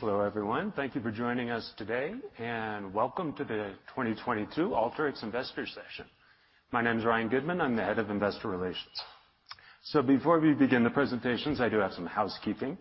Hello, everyone. Thank you for joining us today, and welcome to the 2022 Alteryx Investor Session. My name is Ryan Goodman. I'm the Head of Investor Relations. Before we begin the presentations, I do have some housekeeping.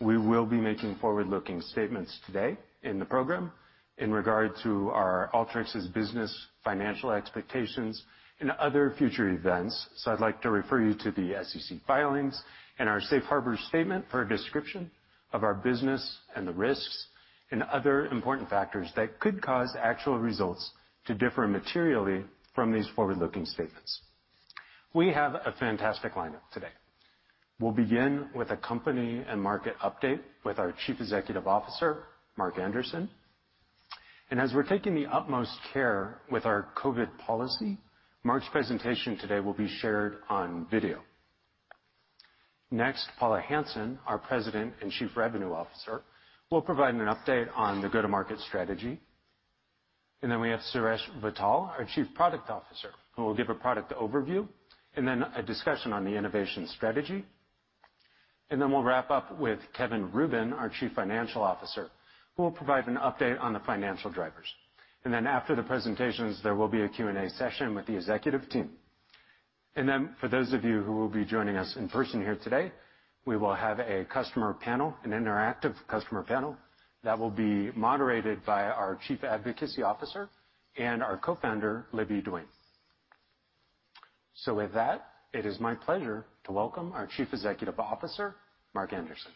We will be making forward-looking statements today in the program in regard to our Alteryx's business, financial expectations and other future events. I'd like to refer you to the SEC filings and our safe harbor statement for a description of our business and the risks and other important factors that could cause actual results to differ materially from these forward-looking statements. We have a fantastic lineup today. We'll begin with a company and market update with our Chief Executive Officer, Mark Anderson. As we're taking the utmost care with our COVID policy, Mark's presentation today will be shared on video. Next, Paula Hansen, our President and Chief Revenue Officer, will provide an update on the go-to-market strategy. We have Suresh Vittal, our Chief Product Officer, who will give a product overview and then a discussion on the innovation strategy. We'll wrap up with Kevin Rubin, our Chief Financial Officer, who will provide an update on the financial drivers. After the presentations, there will be a Q&A session with the executive team. For those of you who will be joining us in person here today, we will have a customer panel, an interactive customer panel that will be moderated by our Chief Advocacy Officer and our Co-founder, Olivia Duane Adams. With that, it is my pleasure to welcome our Chief Executive Officer, Mark Anderson.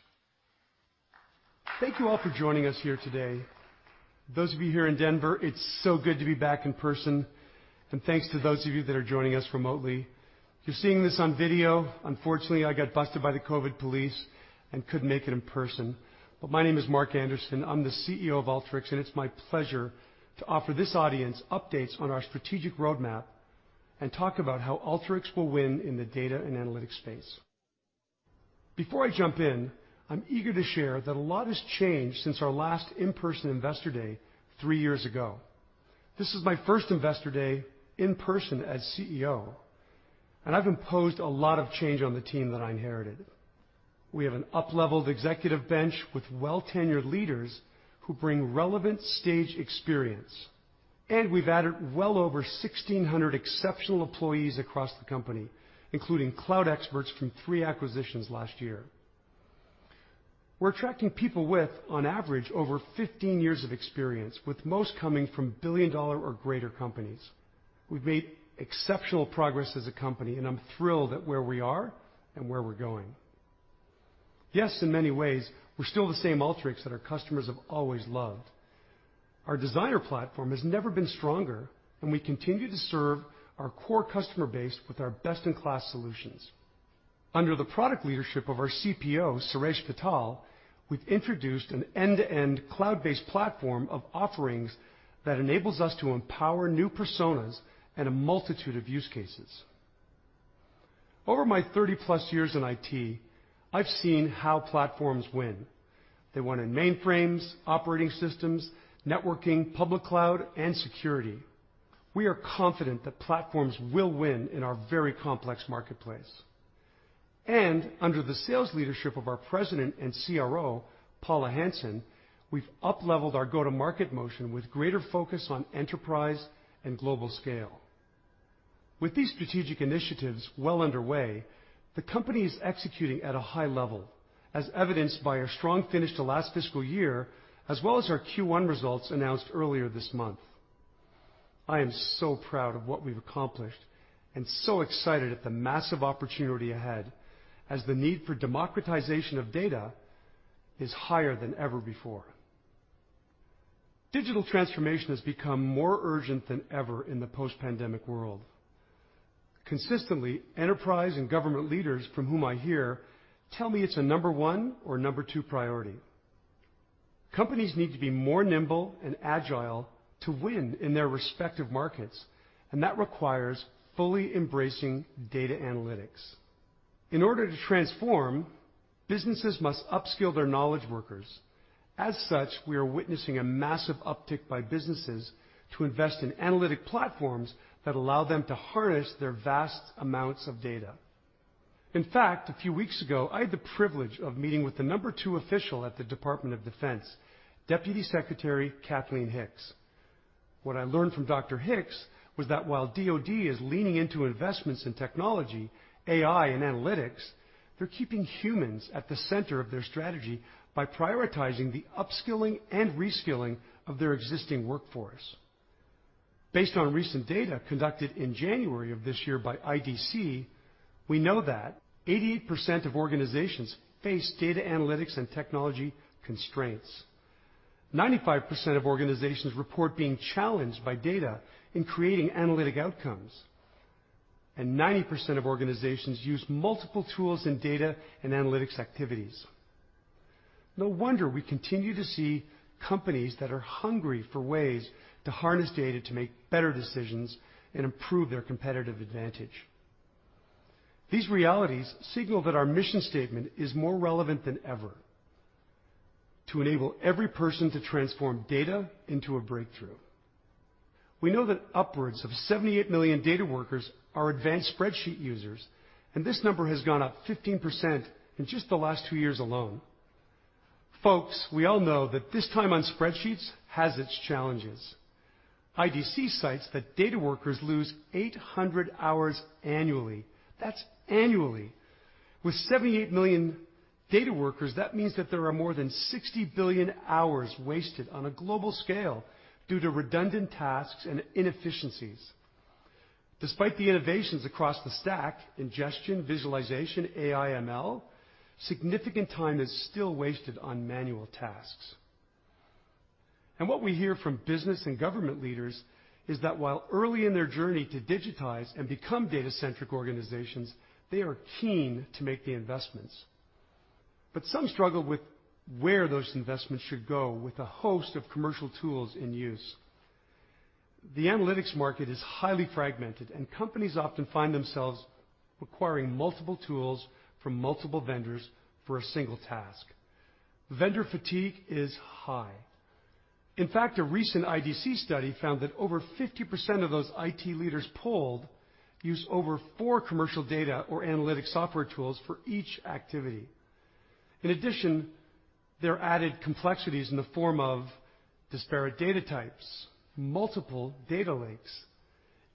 Thank you all for joining us here today. Those of you here in Denver, it's so good to be back in person, and thanks to those of you that are joining us remotely. If you're seeing this on video, unfortunately, I got busted by the COVID police and couldn't make it in person. My name is Mark Anderson, I'm the CEO of Alteryx, and it's my pleasure to offer this audience updates on our strategic roadmap and talk about how Alteryx will win in the data and analytics space. Before I jump in, I'm eager to share that a lot has changed since our last in-person Investor Day three years ago. This is my first Investor Day in person as CEO, and I've imposed a lot of change on the team that I inherited. We have an up-leveled executive bench with well-tenured leaders who bring relevant stage experience, and we've added well over 1,600 exceptional employees across the company, including cloud experts from three acquisitions last year. We're attracting people with, on average, over 15 years of experience, with most coming from billion-dollar or greater companies. We've made exceptional progress as a company, and I'm thrilled at where we are and where we're going. Yes, in many ways, we're still the same Alteryx that our customers have always loved. Our designer platform has never been stronger, and we continue to serve our core customer base with our best-in-class solutions. Under the product leadership of our CPO, Suresh Vittal, we've introduced an end-to-end cloud-based platform of offerings that enables us to empower new personas and a multitude of use cases. Over my 30+ years in IT, I've seen how platforms win. They won in mainframes, operating systems, networking, public cloud and security. We are confident that platforms will win in our very complex marketplace. Under the sales leadership of our President and CRO, Paula Hansen, we've upleveled our go-to-market motion with greater focus on enterprise and global scale. With these strategic initiatives well underway, the company is executing at a high level, as evidenced by our strong finish to last fiscal year, as well as our Q1 results announced earlier this month. I am so proud of what we've accomplished and so excited at the massive opportunity ahead as the need for democratization of data is higher than ever before. Digital transformation has become more urgent than ever in the post-pandemic world. Consistently, enterprise and government leaders from whom I hear tell me it's a number one or number two priority. Companies need to be more nimble and agile to win in their respective markets, and that requires fully embracing data analytics. In order to transform, businesses must upskill their knowledge workers. As such, we are witnessing a massive uptick by businesses to invest in analytic platforms that allow them to harness their vast amounts of data. In fact, a few weeks ago, I had the privilege of meeting with the number two official at the Department of Defense, Deputy Secretary Kathleen Hicks. What I learned from Dr. Hicks was that while DoD is leaning into investments in technology, AI, and analytics, they're keeping humans at the center of their strategy by prioritizing the upskilling and reskilling of their existing workforce. Based on recent data conducted in January of this year by IDC, we know that 88% of organizations face data analytics and technology constraints. 95% of organizations report being challenged by data in creating analytic outcomes, and 90% of organizations use multiple tools in data and analytics activities. No wonder we continue to see companies that are hungry for ways to harness data to make better decisions and improve their competitive advantage. These realities signal that our mission statement is more relevant than ever, to enable every person to transform data into a breakthrough. We know that upwards of 78 million data workers are advanced spreadsheet users, and this number has gone up 15% in just the last two years alone. Folks, we all know that this time on spreadsheets has its challenges. IDC cites that data workers lose 800 hours annually. That's annually. With 78 million data workers, that means that there are more than 60 billion hours wasted on a global scale due to redundant tasks and inefficiencies. Despite the innovations across the stack, ingestion, visualization, AI, ML, significant time is still wasted on manual tasks. What we hear from business and government leaders is that while early in their journey to digitize and become data-centric organizations, they are keen to make the investments. Some struggle with where those investments should go with a host of commercial tools in use. The analytics market is highly fragmented, and companies often find themselves acquiring multiple tools from multiple vendors for a single task. Vendor fatigue is high. In fact, a recent IDC study found that over 50% of those IT leaders polled use over four commercial data or analytic software tools for each activity. In addition, there are added complexities in the form of disparate data types, multiple data lakes,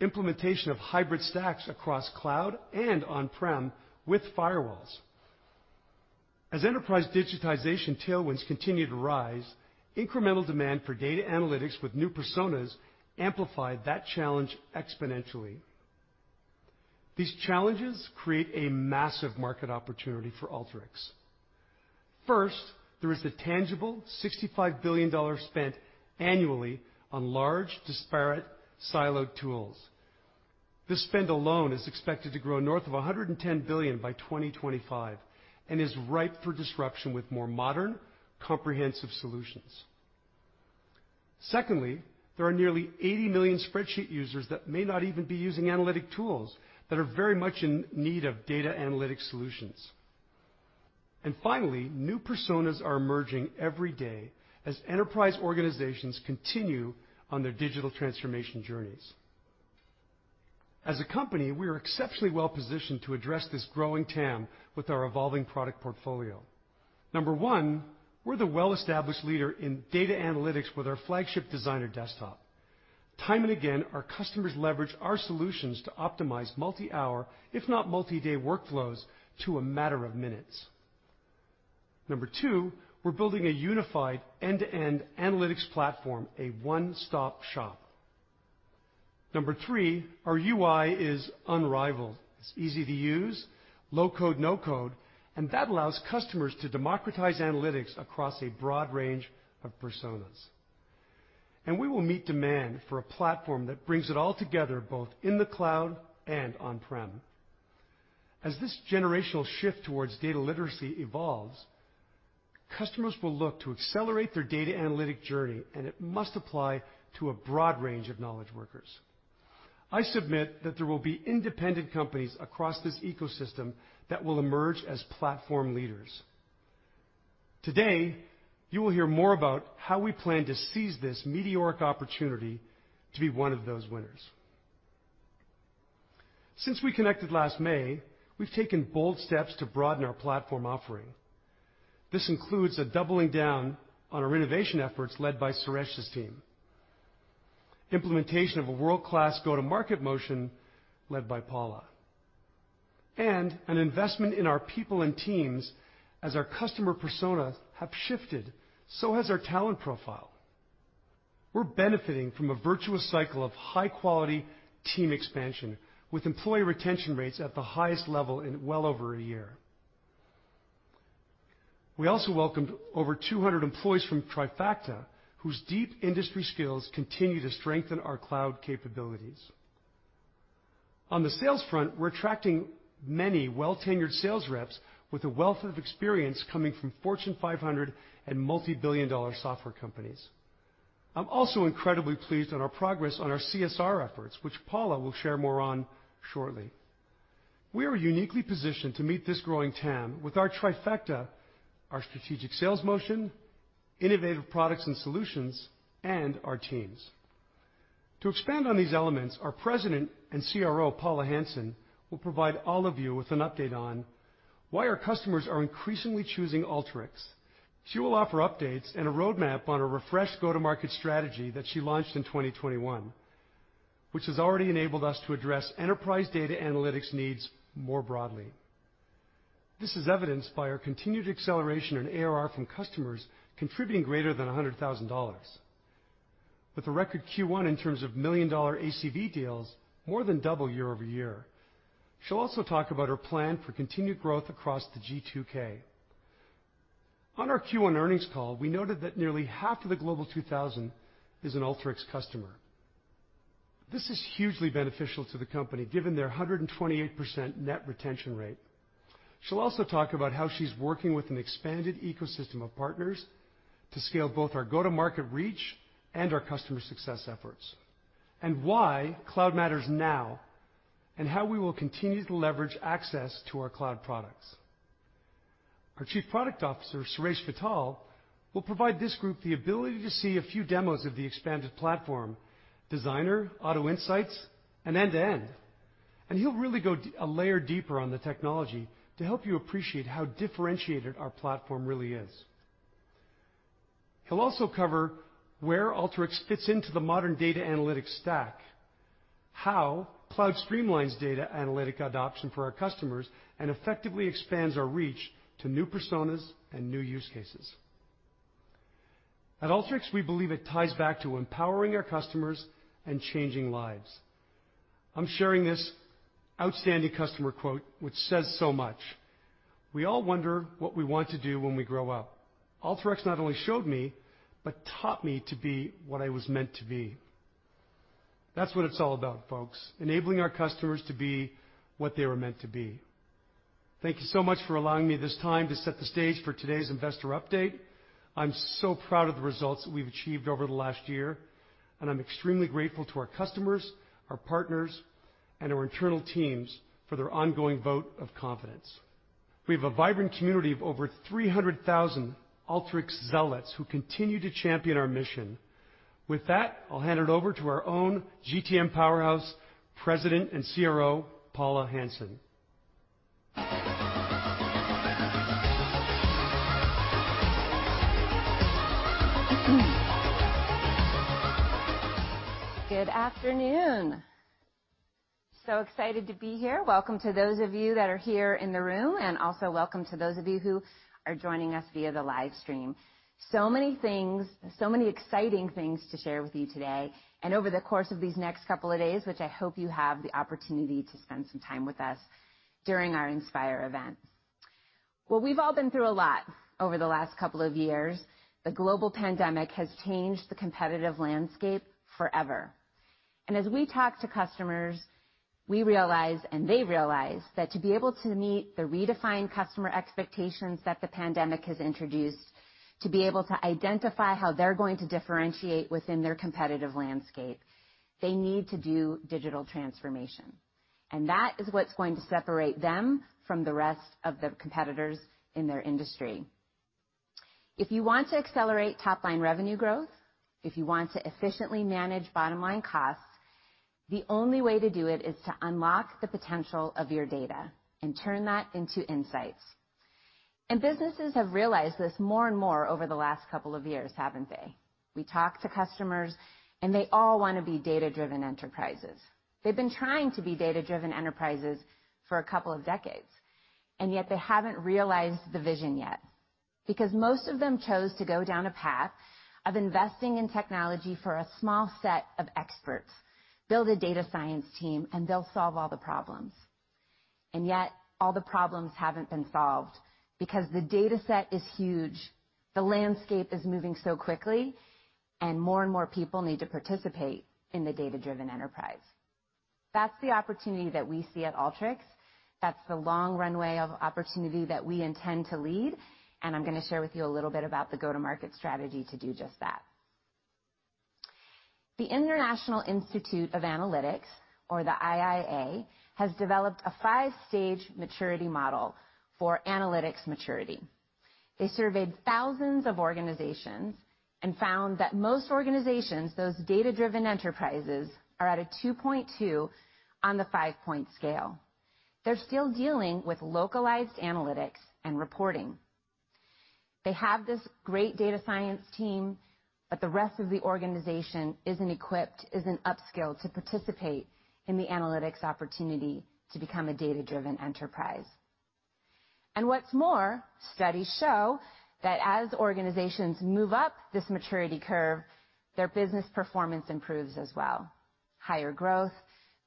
implementation of hybrid stacks across cloud and on-prem with firewalls. As enterprise digitization tailwinds continue to rise, incremental demand for data analytics with new personas amplify that challenge exponentially. These challenges create a massive market opportunity for Alteryx. First, there is the tangible $65 billion spent annually on large, disparate, siloed tools. This spend alone is expected to grow north of $110 billion by 2025 and is ripe for disruption with more modern, comprehensive solutions. Secondly, there are nearly 80 million spreadsheet users that may not even be using analytic tools that are very much in need of data analytics solutions. Finally, new personas are emerging every day as enterprise organizations continue on their digital transformation journeys. As a company, we are exceptionally well-positioned to address this growing TAM with our evolving product portfolio. Number one, we're the well-established leader in data analytics with our flagship designer desktop. Time and again, our customers leverage our solutions to optimize multi-hour, if not multi-day workflows to a matter of minutes. Number two, we're building a unified end-to-end analytics platform, a one-stop shop. Number three, our UI is unrivaled. It's easy to use, low code, no code, and that allows customers to democratize analytics across a broad range of personas. We will meet demand for a platform that brings it all together, both in the cloud and on-prem. As this generational shift towards data literacy evolves, customers will look to accelerate their data analytics journey, and it must apply to a broad range of knowledge workers. I submit that there will be independent companies across this ecosystem that will emerge as platform leaders. Today, you will hear more about how we plan to seize this meteoric opportunity to be one of those winners. Since we connected last May, we've taken bold steps to broaden our platform offering. This includes a doubling down on our innovation efforts led by Suresh's team, implementation of a world-class go-to-market motion led by Paula, and an investment in our people and teams as our customer personas have shifted, so has our talent profile. We're benefiting from a virtuous cycle of high-quality team expansion with employee retention rates at the highest level in well over a year. We also welcomed over 200 employees from Trifacta, whose deep industry skills continue to strengthen our cloud capabilities. On the sales front, we're attracting many well-tenured sales reps with a wealth of experience coming from Fortune 500 and multi-billion dollar software companies. I'm also incredibly pleased with our progress on our CSR efforts, which Paula will share more on shortly. We are uniquely positioned to meet this growing TAM with our trifecta, our strategic sales motion, innovative products and solutions, and our teams. To expand on these elements, our President and CRO, Paula Hansen, will provide all of you with an update on why our customers are increasingly choosing Alteryx. She will offer updates and a roadmap on a refreshed go-to-market strategy that she launched in 2021, which has already enabled us to address enterprise data analytics needs more broadly. This is evidenced by our continued acceleration in ARR from customers contributing greater than $100,000. With a record Q1 in terms of million-dollar ACV deals, more than double year-over-year. She'll also talk about her plan for continued growth across the G2K. On our Q1 earnings call, we noted that nearly half of the Global 2000 is an Alteryx customer. This is hugely beneficial to the company, given their 128% net retention rate. She'll also talk about how she's working with an expanded ecosystem of partners to scale both our go-to-market reach and our customer success efforts, and why cloud matters now, and how we will continue to leverage access to our cloud products. Our Chief Product Officer, Suresh Vittal, will provide this group the ability to see a few demos of the expanded platform, Designer, Auto Insights, and End-to-End. He'll really go a layer deeper on the technology to help you appreciate how differentiated our platform really is. He'll also cover where Alteryx fits into the modern data analytics stack, how cloud streamlines data analytics adoption for our customers, and effectively expands our reach to new personas and new use cases. At Alteryx, we believe it ties back to empowering our customers and changing lives. I'm sharing this outstanding customer quote, which says so much. "We all wonder what we want to do when we grow up. Alteryx not only showed me, but taught me to be what I was meant to be." That's what it's all about, folks, enabling our customers to be what they were meant to be. Thank you so much for allowing me this time to set the stage for today's investor update. I'm so proud of the results that we've achieved over the last year, and I'm extremely grateful to our customers, our partners, and our internal teams for their ongoing vote of confidence. We have a vibrant community of over 300,000 Alteryx zealots who continue to champion our mission. With that, I'll hand it over to our own GTM powerhouse, President and CRO, Paula Hansen. Good afternoon. So excited to be here. Welcome to those of you that are here in the room, and also welcome to those of you who are joining us via the live stream. So many things, so many exciting things to share with you today, and over the course of these next couple of days, which I hope you have the opportunity to spend some time with us during our Inspire event. Well, we've all been through a lot over the last couple of years. The global pandemic has changed the competitive landscape forever. As we talk to customers, we realize, and they realize, that to be able to meet the redefined customer expectations that the pandemic has introduced, to be able to identify how they're going to differentiate within their competitive landscape, they need to do digital transformation. That is what's going to separate them from the rest of the competitors in their industry. If you want to accelerate top-line revenue growth, if you want to efficiently manage bottom-line costs, the only way to do it is to unlock the potential of your data and turn that into insights. Businesses have realized this more and more over the last couple of years, haven't they? We talk to customers, and they all wanna be data-driven enterprises. They've been trying to be data-driven enterprises for a couple of decades, and yet they haven't realized the vision yet. Because most of them chose to go down a path of investing in technology for a small set of experts, build a data science team, and they'll solve all the problems. Yet, all the problems haven't been solved because the dataset is huge, the landscape is moving so quickly, and more and more people need to participate in the data-driven enterprise. That's the opportunity that we see at Alteryx. That's the long runway of opportunity that we intend to lead, and I'm gonna share with you a little bit about the go-to-market strategy to do just that. The International Institute of Analytics, or the IIA, has developed a five-stage maturity model for analytics maturity. They surveyed thousands of organizations and found that most organizations, those data-driven enterprises, are at a 2.2 on the five-point scale. They're still dealing with localized analytics and reporting. They have this great data science team, but the rest of the organization isn't equipped, isn't up-skilled to participate in the analytics opportunity to become a data-driven enterprise. What's more, studies show that as organizations move up this maturity curve, their business performance improves as well. Higher growth,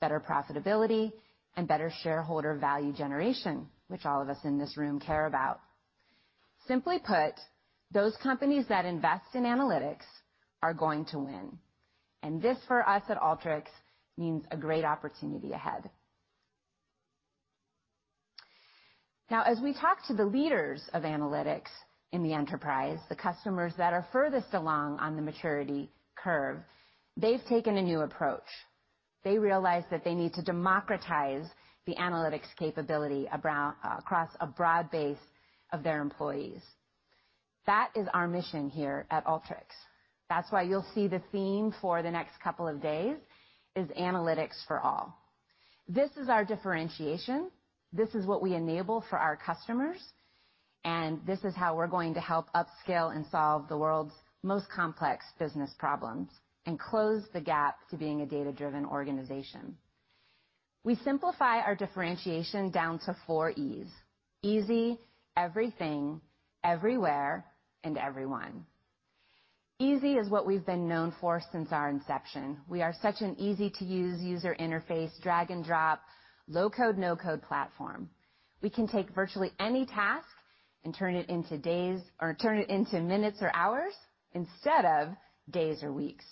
better profitability, and better shareholder value generation, which all of us in this room care about. Simply put, those companies that invest in analytics are going to win. This, for us at Alteryx, means a great opportunity ahead. Now, as we talk to the leaders of analytics in the enterprise, the customers that are furthest along on the maturity curve, they've taken a new approach. They realize that they need to democratize the analytics capability across a broad base of their employees. That is our mission here at Alteryx. That's why you'll see the theme for the next couple of days is analytics for all. This is our differentiation. This is what we enable for our customers, and this is how we're going to help upskill and solve the world's most complex business problems and close the gap to being a data-driven organization. We simplify our differentiation down to four E's, easy, everything, everywhere, and everyone. Easy is what we've been known for since our inception. We are such an easy-to-use user interface, drag and drop, low-code/no-code platform. We can take virtually any task and turn it into minutes or hours instead of days or weeks.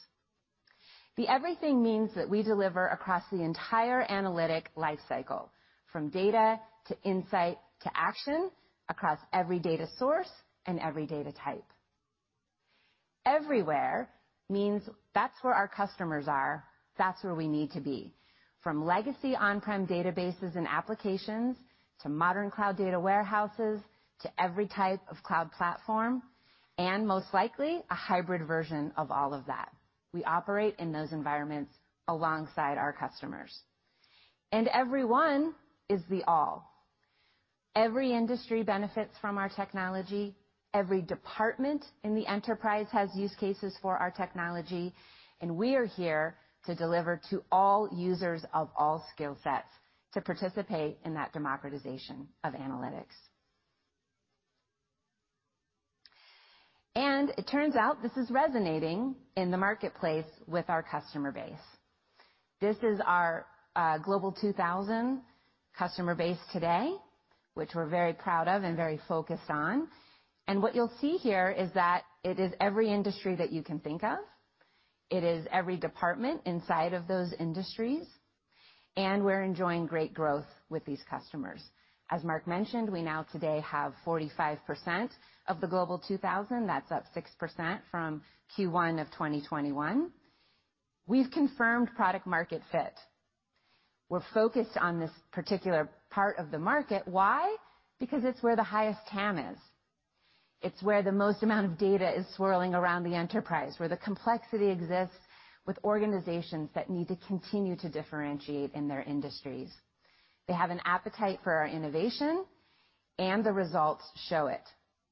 The everything means that we deliver across the entire analytics life cycle, from data to insight to action, across every data source and every data type. Everywhere means that's where our customers are, that's where we need to be. From legacy on-prem databases and applications to modern cloud data warehouses to every type of cloud platform, and most likely, a hybrid version of all of that. We operate in those environments alongside our customers. Every one is the all. Every industry benefits from our technology. Every department in the enterprise has use cases for our technology, and we are here to deliver to all users of all skill sets to participate in that democratization of analytics. It turns out this is resonating in the marketplace with our customer base. This is our Global 2000 customer base today, which we're very proud of and very focused on. What you'll see here is that it is every industry that you can think of, it is every department inside of those industries, and we're enjoying great growth with these customers. As Mark mentioned, we now today have 45% of the Global 2000. That's up 6% from Q1 of 2021. We've confirmed product market fit. We're focused on this particular part of the market. Why? Because it's where the highest TAM is. It's where the most amount of data is swirling around the enterprise, where the complexity exists with organizations that need to continue to differentiate in their industries. They have an appetite for our innovation, and the results show it.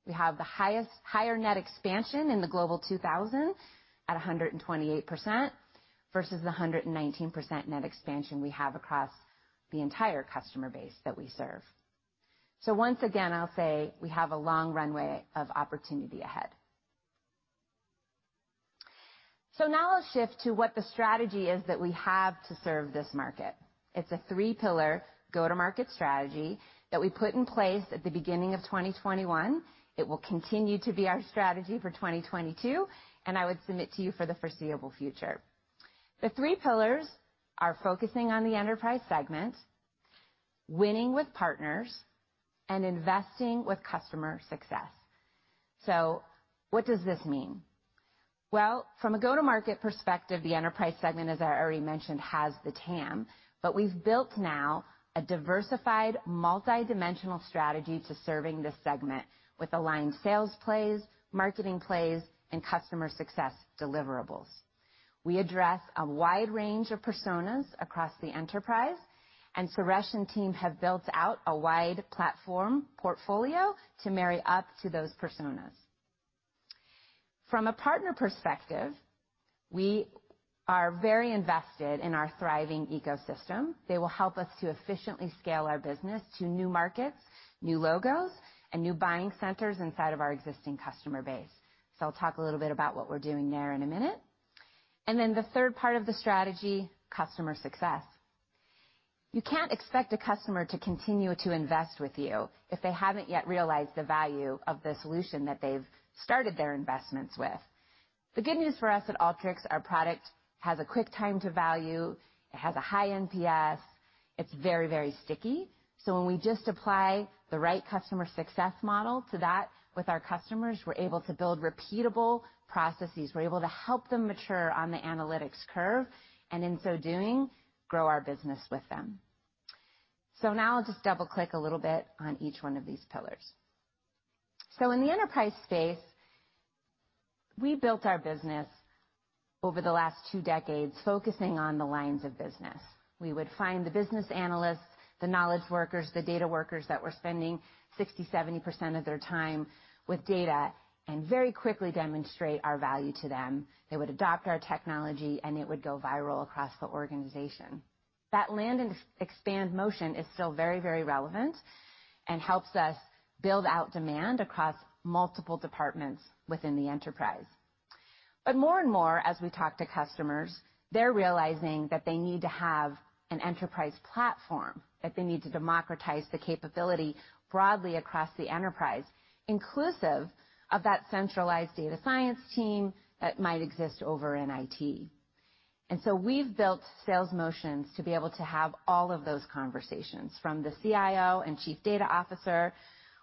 We have the highest, higher net expansion in the Global 2000 at 128% versus the 119% net expansion we have across the entire customer base that we serve. Once again, I'll say we have a long runway of opportunity ahead. Now let's shift to what the strategy is that we have to serve this market. It's a three-pillar go-to-market strategy that we put in place at the beginning of 2021. It will continue to be our strategy for 2022, and I would submit to you for the foreseeable future. The three pillars are focusing on the enterprise segment, winning with partners, and investing with customer success. What does this mean? Well, from a go-to-market perspective, the enterprise segment, as I already mentioned, has the TAM. We've built now a diversified, multidimensional strategy to serving this segment with aligned sales plays, marketing plays, and customer success deliverables. We address a wide range of personas across the enterprise, and Suresh and team have built out a wide platform portfolio to marry up to those personas. From a partner perspective, we are very invested in our thriving ecosystem. They will help us to efficiently scale our business to new markets, new logos, and new buying centers inside of our existing customer base. I'll talk a little bit about what we're doing there in a minute. The third part of the strategy, customer success. You can't expect a customer to continue to invest with you if they haven't yet realized the value of the solution that they've started their investments with. The good news for us at Alteryx, our product has a quick time to value, it has a high NPS, it's very, very sticky. When we just apply the right customer success model to that with our customers, we're able to build repeatable processes. We're able to help them mature on the analytics curve, and in so doing, grow our business with them. Now I'll just double-click a little bit on each one of these pillars. In the enterprise space, we built our business over the last two decades, focusing on the lines of business. We would find the business analysts, the knowledge workers, the data workers that were spending 60%-70% of their time with data and very quickly demonstrate our value to them. They would adopt our technology, and it would go viral across the organization. That land-and-expand motion is still very, very relevant and helps us build out demand across multiple departments within the enterprise. More and more, as we talk to customers, they're realizing that they need to have an enterprise platform, that they need to democratize the capability broadly across the enterprise, inclusive of that centralized data science team that might exist over in IT. We've built sales motions to be able to have all of those conversations from the CIO and chief data officer,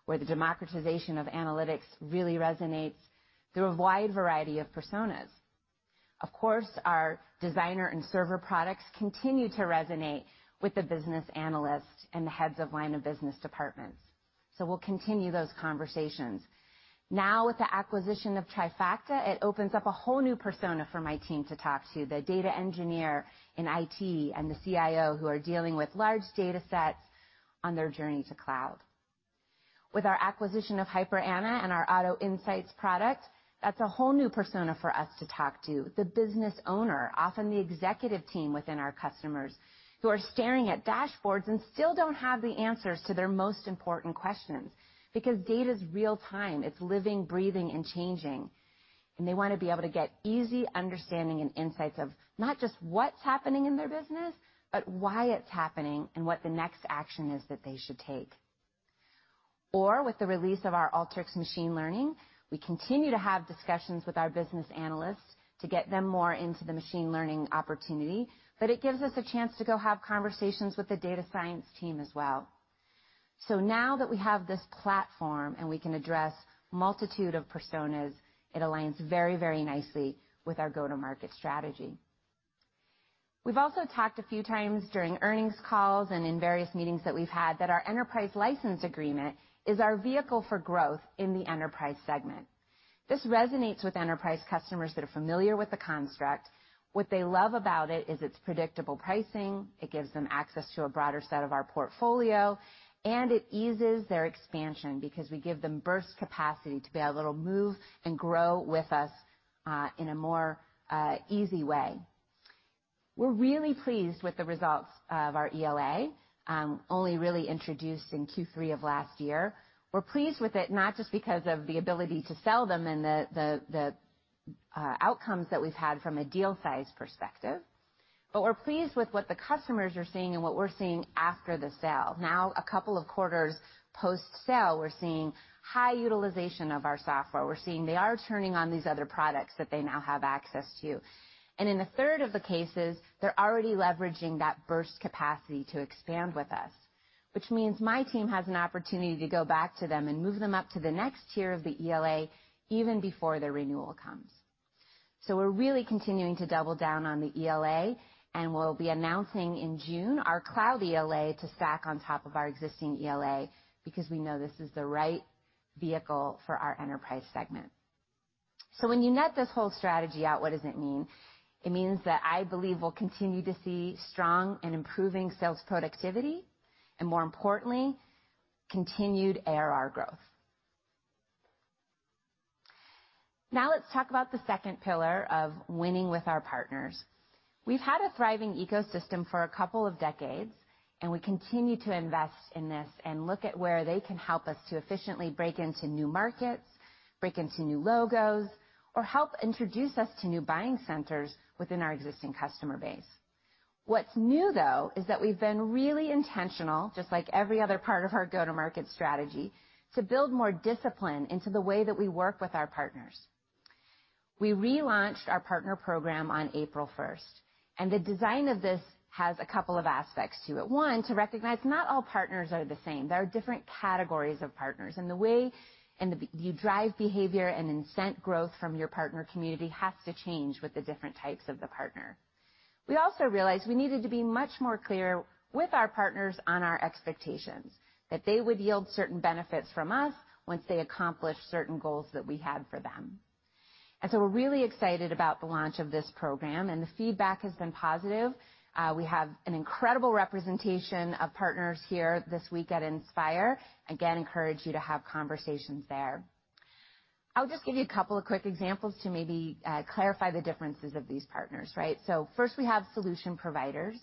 where the democratization of analytics really resonates through a wide variety of personas. Of course, our Designer and Server products continue to resonate with the business analyst and the heads of line of business departments. We'll continue those conversations. Now with the acquisition of Trifacta, it opens up a whole new persona for my team to talk to, the data engineer in IT and the CIO who are dealing with large datasets on their journey to cloud. With our acquisition of Hyper Anna and our Auto Insights product, that's a whole new persona for us to talk to, the business owner, often the executive team within our customers who are staring at dashboards and still don't have the answers to their most important questions because data is real time. It's living, breathing, and changing, and they wanna be able to get easy understanding and insights of not just what's happening in their business, but why it's happening and what the next action is that they should take. With the release of our Alteryx Machine Learning, we continue to have discussions with our business analysts to get them more into the machine learning opportunity. It gives us a chance to go have conversations with the data science team as well. Now that we have this platform, and we can address multitude of personas, it aligns very, very nicely with our go-to-market strategy. We've also talked a few times during earnings calls and in various meetings that we've had that our enterprise license agreement is our vehicle for growth in the enterprise segment. This resonates with enterprise customers that are familiar with the construct. What they love about it is its predictable pricing. It gives them access to a broader set of our portfolio, and it eases their expansion because we give them burst capacity to be able to move and grow with us, in a more easy way. We're really pleased with the results of our ELA, only really introduced in Q3 of last year. We're pleased with it not just because of the ability to sell them and the outcomes that we've had from a deal size perspective, but we're pleased with what the customers are seeing and what we're seeing after the sale. Now, a couple of quarters post-sale, we're seeing high utilization of our software. We're seeing they are turning on these other products that they now have access to. In a third of the cases, they're already leveraging that burst capacity to expand with us, which means my team has an opportunity to go back to them and move them up to the next tier of the ELA even before their renewal comes. We're really continuing to double down on the ELA, and we'll be announcing in June our cloud ELA to stack on top of our existing ELA because we know this is the right vehicle for our enterprise segment. When you net this whole strategy out, what does it mean? It means that I believe we'll continue to see strong and improving sales productivity, and more importantly, continued ARR growth. Now let's talk about the second pillar of winning with our partners. We've had a thriving ecosystem for a couple of decades, and we continue to invest in this and look at where they can help us to efficiently break into new markets, break into new logos, or help introduce us to new buying centers within our existing customer base. What's new, though, is that we've been really intentional, just like every other part of our go-to-market strategy, to build more discipline into the way that we work with our partners. We relaunched our partner program on April 1st, and the design of this has a couple of aspects to it. One, to recognize not all partners are the same. There are different categories of partners, and the way you drive behavior and incent growth from your partner community has to change with the different types of the partner. We also realized we needed to be much more clear with our partners on our expectations, that they would yield certain benefits from us once they accomplish certain goals that we had for them. We're really excited about the launch of this program, and the feedback has been positive. We have an incredible representation of partners here this week at Inspire. Again, encourage you to have conversations there. I'll just give you a couple of quick examples to maybe clarify the differences of these partners, right? First we have solution providers.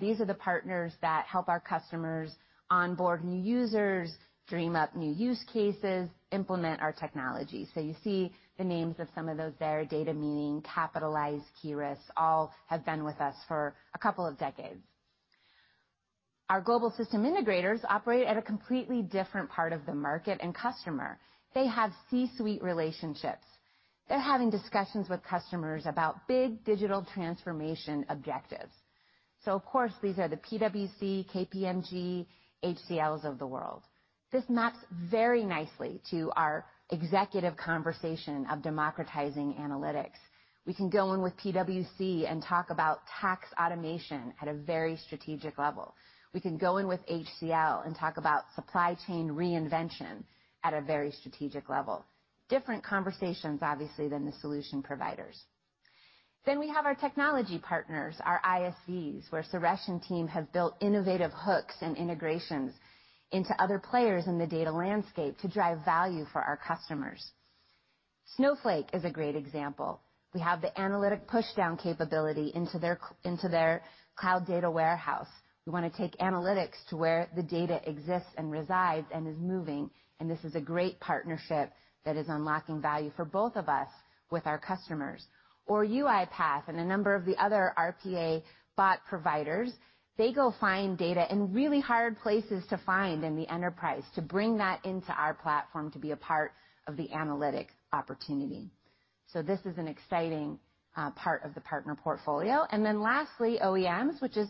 These are the partners that help our customers onboard new users, dream up new use cases, implement our technology. You see the names of some of those there, Data Meaning, Capitalize, Keyrus, all have been with us for a couple of decades. Our global system integrators operate at a completely different part of the market and customer. They have C-suite relationships. They're having discussions with customers about big digital transformation objectives. Of course, these are the PwC, KPMG, HCLs of the world. This maps very nicely to our executive conversation of democratizing analytics. We can go in with PwC and talk about tax automation at a very strategic level. We can go in with HCL and talk about supply chain reinvention at a very strategic level. Different conversations, obviously, than the solution providers. We have our technology partners, our ISVs, where Suresh and team have built innovative hooks and integrations into other players in the data landscape to drive value for our customers. Snowflake is a great example. We have the analytic pushdown capability into their cloud data warehouse. We wanna take analytics to where the data exists and resides and is moving, and this is a great partnership that is unlocking value for both of us with our customers. UiPath and a number of the other RPA bot providers, they go find data in really hard places to find in the enterprise to bring that into our platform to be a part of the analytic opportunity. This is an exciting part of the partner portfolio. Lastly, OEMs, which is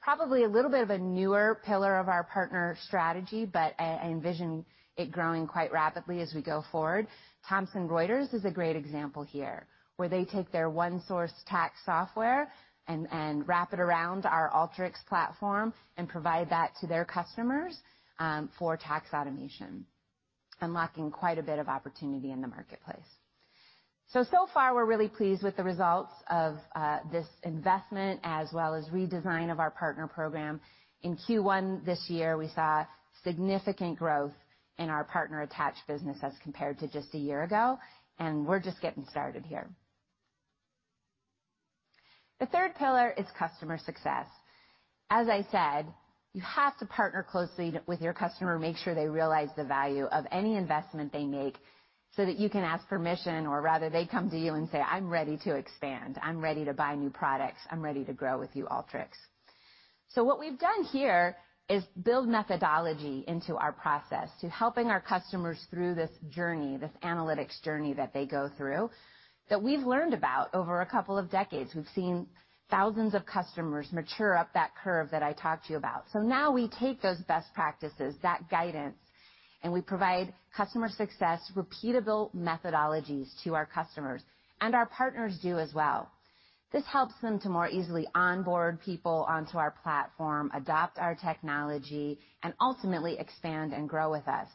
probably a little bit of a newer pillar of our partner strategy, but I envision it growing quite rapidly as we go forward. Thomson Reuters is a great example here, where they take their ONESOURCE tax software and wrap it around our Alteryx platform and provide that to their customers for tax automation, unlocking quite a bit of opportunity in the marketplace. We're really pleased with the results of this investment as well as redesign of our partner program. In Q1 this year, we saw significant growth in our partner-attached business as compared to just a year ago, and we're just getting started here. The third pillar is customer success. As I said, you have to partner closely with your customer, make sure they realize the value of any investment they make so that you can ask permission, or rather they come to you and say, "I'm ready to expand. I'm ready to buy new products. I'm ready to grow with you, Alteryx." What we've done here is build methodology into our process to helping our customers through this journey, this analytics journey that they go through, that we've learned about over a couple of decades. We've seen thousands of customers mature up that curve that I talked to y,u about. Now we take those best practices, that guidance, and we provide customer success, repeatable methodologies to our customers, and our partners do as well. This helps them to more easily onboard people onto our platform, adopt our technology, and ultimately expand and grow with us.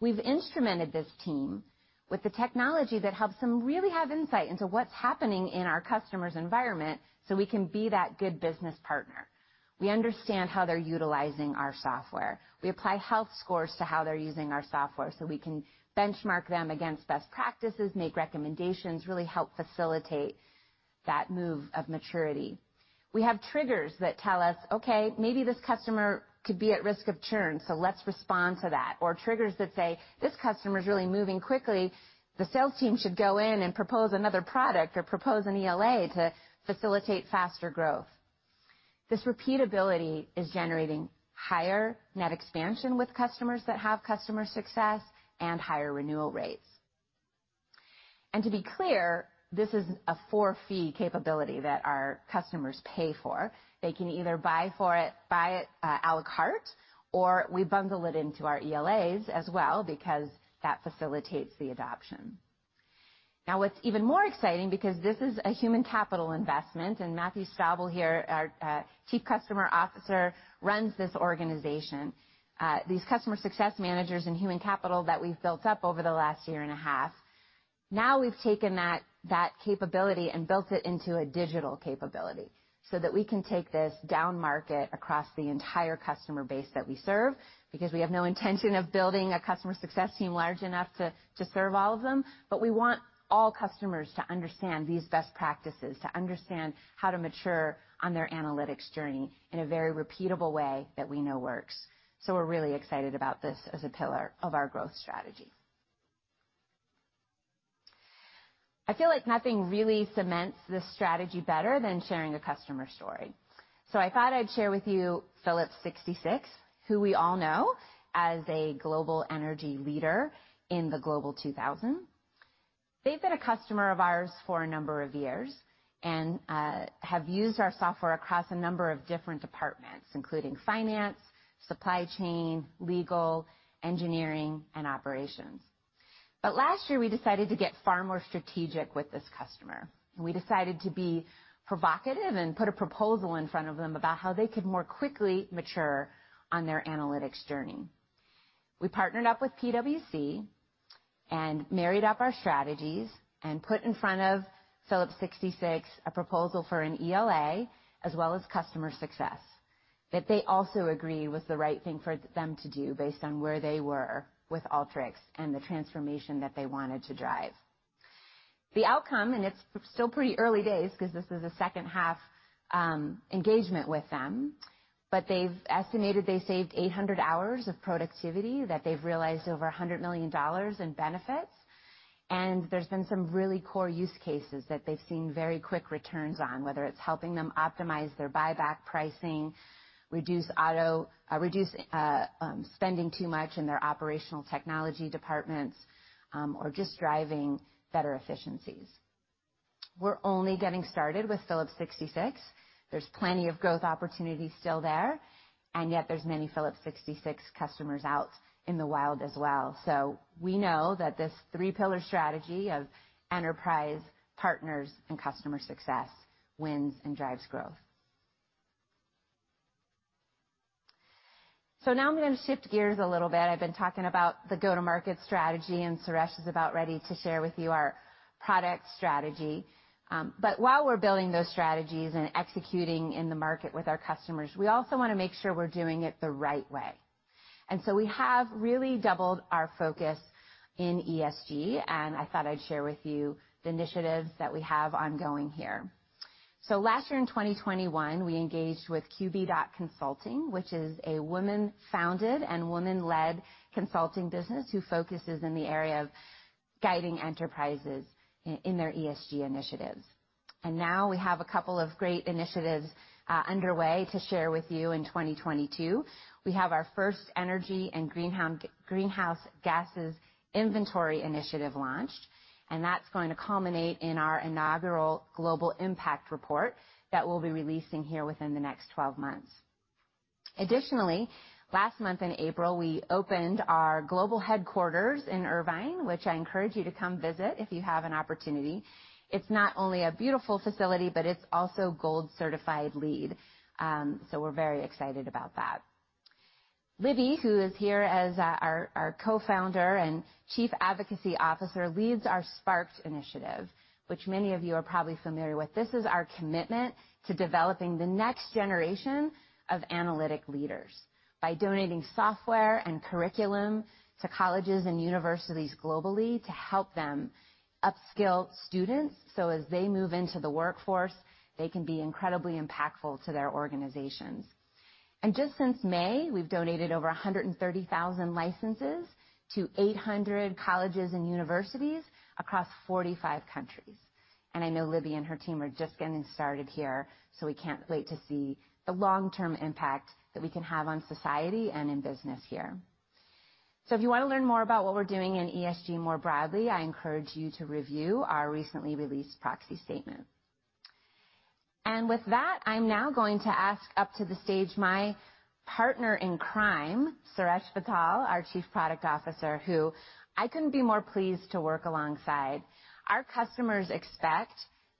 We've instrumented this team with the technology that helps them really have insight into what's happening in our customer's environment, so we can be that good business partner. We understand how they're utilizing our software. We apply health scores to how they're using our software, so we can benchmark them against best practices, make recommendations, really help facilitate that move of maturity. We have triggers that tell us, "Okay, maybe this customer could be at risk of churn, so let's respond to that." Or triggers that say, "This customer's really moving quickly. The sales team should go in and propose another product or propose an ELA to facilitate faster growth. This repeatability is generating higher net expansion with customers that have customer success and higher renewal rates. To be clear, this is a for-fee capability that our customers pay for. They can either buy it a la carte, or we bundle it into our ELAs as well because that facilitates the adoption. Now what's even more exciting, because this is a human capital investment, and Matthew Stauble here, our Chief Customer Officer runs this organization. These customer success managers and human capital that we've built up over the last year and a half, now we've taken that capability and built it into a digital capability so that we can take this downmarket across the entire customer base that we serve, because we have no intention of building a customer success team large enough to serve all of them, but we want all customers to understand these best practices, to understand how to mature on their analytics journey in a very repeatable way that we know works. We're really excited about this as a pillar of our growth strategy. I feel like nothing really cements this strategy better than sharing a customer story. I thought I'd share with you Phillips 66, who we all know as a global energy leader in the Global 2000. They've been a customer of ours for a number of years and have used our software across a number of different departments, including finance, supply chain, legal, engineering, and operations. Last year, we decided to get far more strategic with this customer, and we decided to be provocative and put a proposal in front of them about how they could more quickly mature on their analytics journey. We partnered up with PwC and married up our strategies and put in front of Phillips 66 a proposal for an ELA as well as customer success that they also agree was the right thing for them to do based on where they were with Alteryx and the transformation that they wanted to drive. The outcome, it's still pretty early days 'cause this is the second half engagement with them, but they've estimated they saved 800 hours of productivity, that they've realized over $100 million in benefits, and there's been some really core use cases that they've seen very quick returns on, whether it's helping them optimize their buyback pricing, reduce spending too much in their operational technology departments, or just driving better efficiencies. We're only getting started with Phillips 66. There's plenty of growth opportunities still there, and yet there's many Phillips 66 customers out in the wild as well. We know that this three-pillar strategy of enterprise, partners, and customer success wins and drives growth. Now I'm gonna shift gears a little bit. I've been talking about the go-to-market strategy, and Suresh is about ready to share with you our product strategy. While we're building those strategies and executing in the market with our customers, we also wanna make sure we're doing it the right way. We have really doubled our focus in ESG, and I thought I'd share with you the initiatives that we have ongoing here. Last year in 2021, we engaged with qb.consulting, which is a woman-founded and woman-led consulting business who focuses in the area of guiding enterprises in their ESG initiatives. Now we have a couple of great initiatives underway to share with you in 2022. We have our first energy and greenhouse gases inventory initiative launched, and that's going to culminate in our inaugural global impact report that we'll be releasing here within the next 12 months. Additionally, last month in April, we opened our global headquarters in Irvine, which I encourage you to come visit if you have an opportunity. It's not only a beautiful facility, but it's also gold-certified LEED. We're very excited about that. Libby, who is here as our Co-founder and Chief Advocacy Officer, leads our Sparked initiative, which many of you are probably familiar with. This is our commitment to developing the next generation of analytics leaders by donating software and curriculum to colleges and universities globally to help them upskill students, so as they move into the workforce, they can be incredibly impactful to their organizations. Just since May, we've donated over 130,000 licenses to 800 colleges and universities across 45 countries. I know Libby and her team are just getting started here, so we can't wait to see the long-term impact that we can have on society and in business here. If you wanna learn more about what we're doing in ESG more broadly, I encourage you to review our recently released proxy statement. With that, I'm now going to ask up to the stage my partner in crime, Suresh Vittal, our Chief Product Officer, who I couldn't be more pleased to work alongside. Our customers expect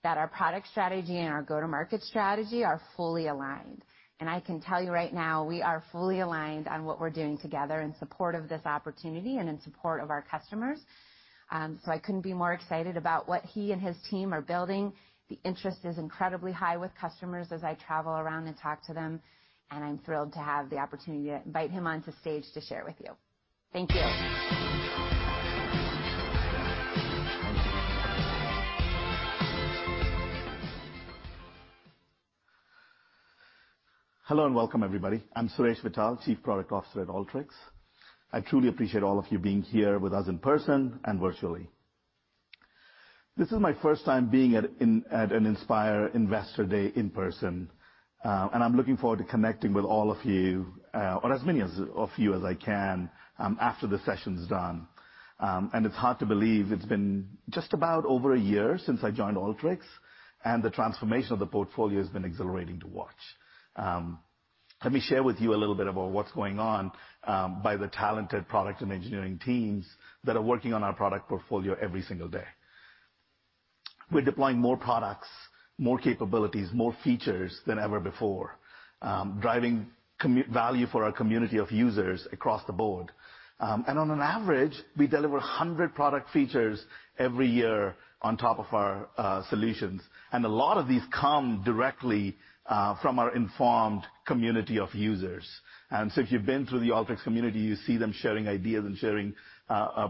that our product strategy and our go-to-market strategy are fully aligned. I can tell you right now, we are fully aligned on what we're doing together in support of this opportunity and in support of our customers. I couldn't be more excited about what he and his team are building. The interest is incredibly high with customers as I travel around and talk to them, and I'm thrilled to have the opportunity to invite him onto stage to share with you. Thank you. Hello, and welcome everybody. I'm Suresh Vittal, Chief Product Officer at Alteryx. I truly appreciate all of you being here with us in person and virtually. This is my first time being at an Inspire Investor Day in person, and I'm looking forward to connecting with all of you, or as many of you as I can, after the session's done. It's hard to believe it's been just about over a year since I joined Alteryx, and the transformation of the portfolio has been exhilarating to watch. Let me share with you a little bit about what's going on by the talented product and engineering teams that are working on our product portfolio every single day. We're deploying more products, more capabilities, more features than ever before, driving value for our community of users across the board. On average, we deliver 100 product features every year on top of our solutions, and a lot of these come directly from our informed community of users. If you've been through the Alteryx community, you see them sharing ideas and sharing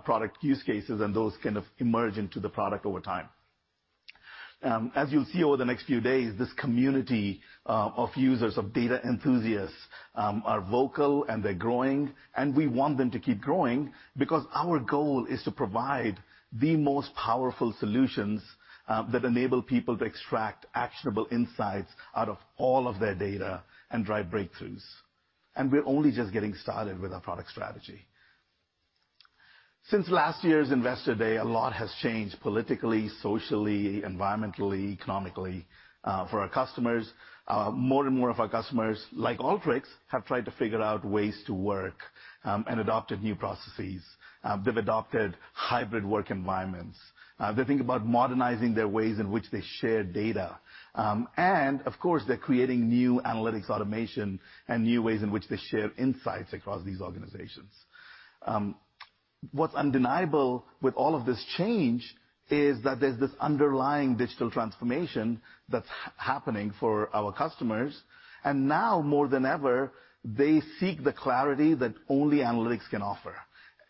product use cases, and those kind of emerge into the product over time. As you'll see over the next few days, this community of users, of data enthusiasts, are vocal and they're growing, and we want them to keep growing because our goal is to provide the most powerful solutions that enable people to extract actionable insights out of all of their data and drive breakthroughs. We're only just getting started with our product strategy. Since last year's Investor Day, a lot has changed politically, socially, environmentally, economically for our customers. More and more of our customers, like Alteryx, have tried to figure out ways to work, and adopted new processes. They've adopted hybrid work environments. They think about modernizing their ways in which they share data. And of course, they're creating new analytics automation and new ways in which they share insights across these organizations. What's undeniable with all of this change is that there's this underlying digital transformation that's happening for our customers, and now more than ever, they seek the clarity that only analytics can offer.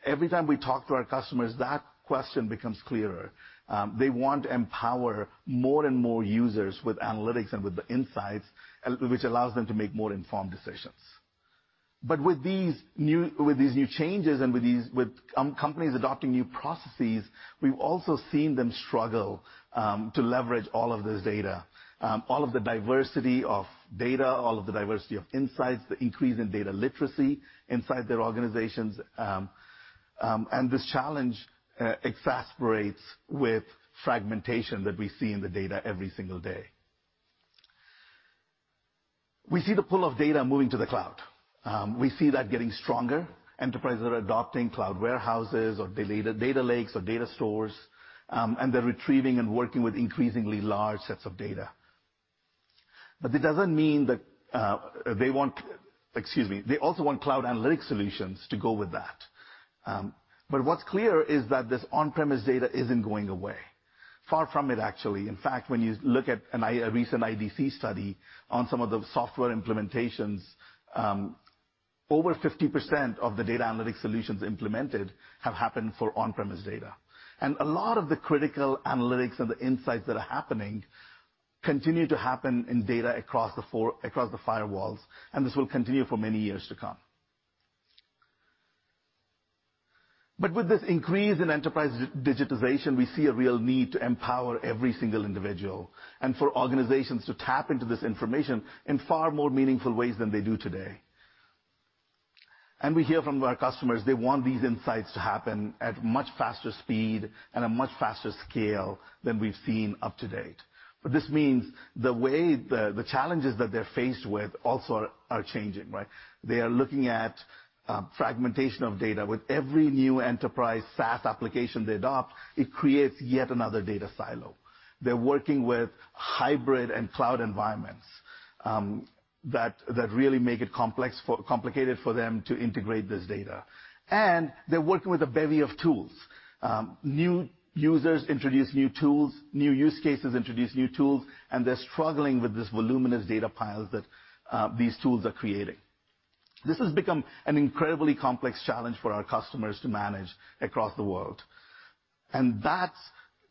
Every time we talk to our customers, that question becomes clearer. They want to empower more and more users with analytics and with the insights which allows them to make more informed decisions. With these new changes and with companies adopting new processes, we've also seen them struggle to leverage all of this data, all of the diversity of data, all of the diversity of insights, the increase in data literacy inside their organizations. This challenge exacerbates with fragmentation that we see in the data every single day. We see the pull of data moving to the cloud. We see that getting stronger. Enterprises are adopting cloud warehouses or data lakes or data stores, and they're retrieving and working with increasingly large sets of data. It doesn't mean that they want. They also want cloud analytics solutions to go with that. What's clear is that this on-premise data isn't going away. Far from it, actually. In fact, when you look at a recent IDC study on some of the software implementations, over 50% of the data analytics solutions implemented have happened for on-premise data. A lot of the critical analytics and the insights that are happening continue to happen in data across the firewalls, and this will continue for many years to come. With this increase in enterprise digitization, we see a real need to empower every single individual and for organizations to tap into this information in far more meaningful ways than they do today. We hear from our customers they want these insights to happen at much faster speed and a much faster scale than we've seen to date. This means the way the challenges that they're faced with also are changing, right? They are looking at fragmentation of data. With every new enterprise SaaS application they adopt, it creates yet another data silo. They're working with hybrid and cloud environments that really make it complicated for them to integrate this data. They're working with a bevy of tools. New users introduce new tools, new use cases introduce new tools, and they're struggling with this voluminous data piles that these tools are creating. This has become an incredibly complex challenge for our customers to manage across the world, and that's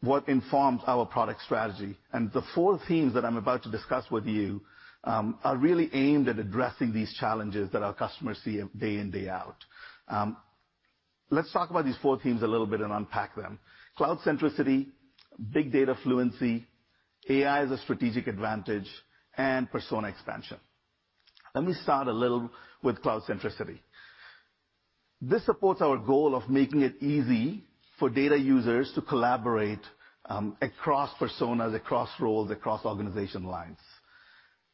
what informs our product strategy. The four themes that I'm about to discuss with you are really aimed at addressing these challenges that our customers see day in, day out. Let's talk about these four themes a little bit and unpack them. Cloud centricity, big data fluency, AI as a strategic advantage, and persona expansion. Let me start a little with cloud centricity. This supports our goal of making it easy for data users to collaborate across personas, across roles, across organization lines.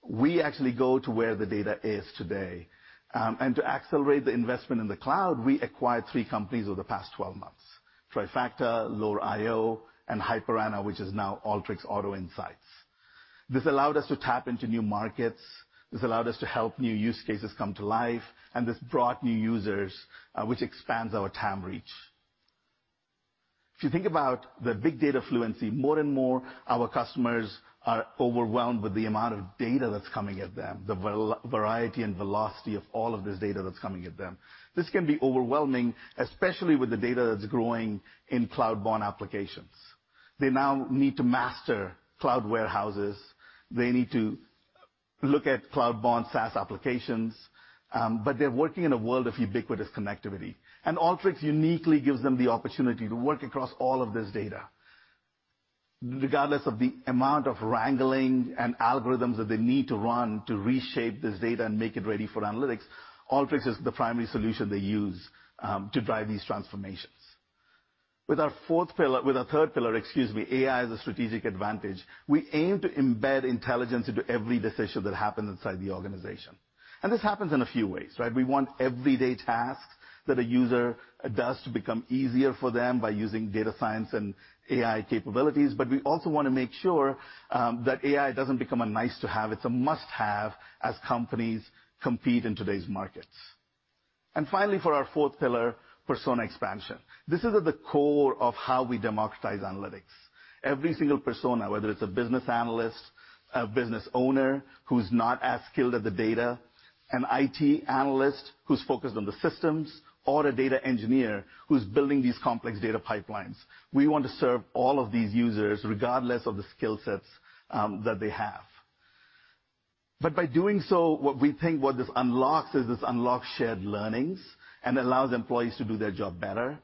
We actually go to where the data is today. To accelerate the investment in the cloud, we acquired three companies over the past 12 months, Trifacta, Lore IO, and Hyper Anna, which is now Alteryx Auto Insights. This allowed us to tap into new markets. This allowed us to help new use cases come to life, and this brought new users, which expands our TAM reach. If you think about the big data fluency, more and more our customers are overwhelmed with the amount of data that's coming at them, the variety and velocity of all of this data that's coming at them. This can be overwhelming, especially with the data that's growing in cloud-borne applications. They now need to master cloud warehouses. They need to look at cloud-borne SaaS applications, but they're working in a world of ubiquitous connectivity. Alteryx uniquely gives them the opportunity to work across all of this data. Regardless of the amount of wrangling and algorithms that they need to run to reshape this data and make it ready for analytics, Alteryx is the primary solution they use to drive these transformations. With our third pillar, excuse me, AI as a strategic advantage, we aim to embed intelligence into every decision that happens inside the organization. This happens in a few ways, right? We want everyday tasks that a user does to become easier for them by using data science and AI capabilities, but we also wanna make sure that AI doesn't become a nice to have. It's a must-have as companies compete in today's markets. Finally, for our fourth pillar, persona expansion. This is at the core of how we democratize analytics. Every single persona, whether it's a business analyst, a business owner who's not as skilled at the data, an IT analyst who's focused on the systems, or a data engineer who's building these complex data pipelines. We want to serve all of these users regardless of the skill sets that they have. By doing so, what we think this unlocks is shared learnings and allows employees to do their job better,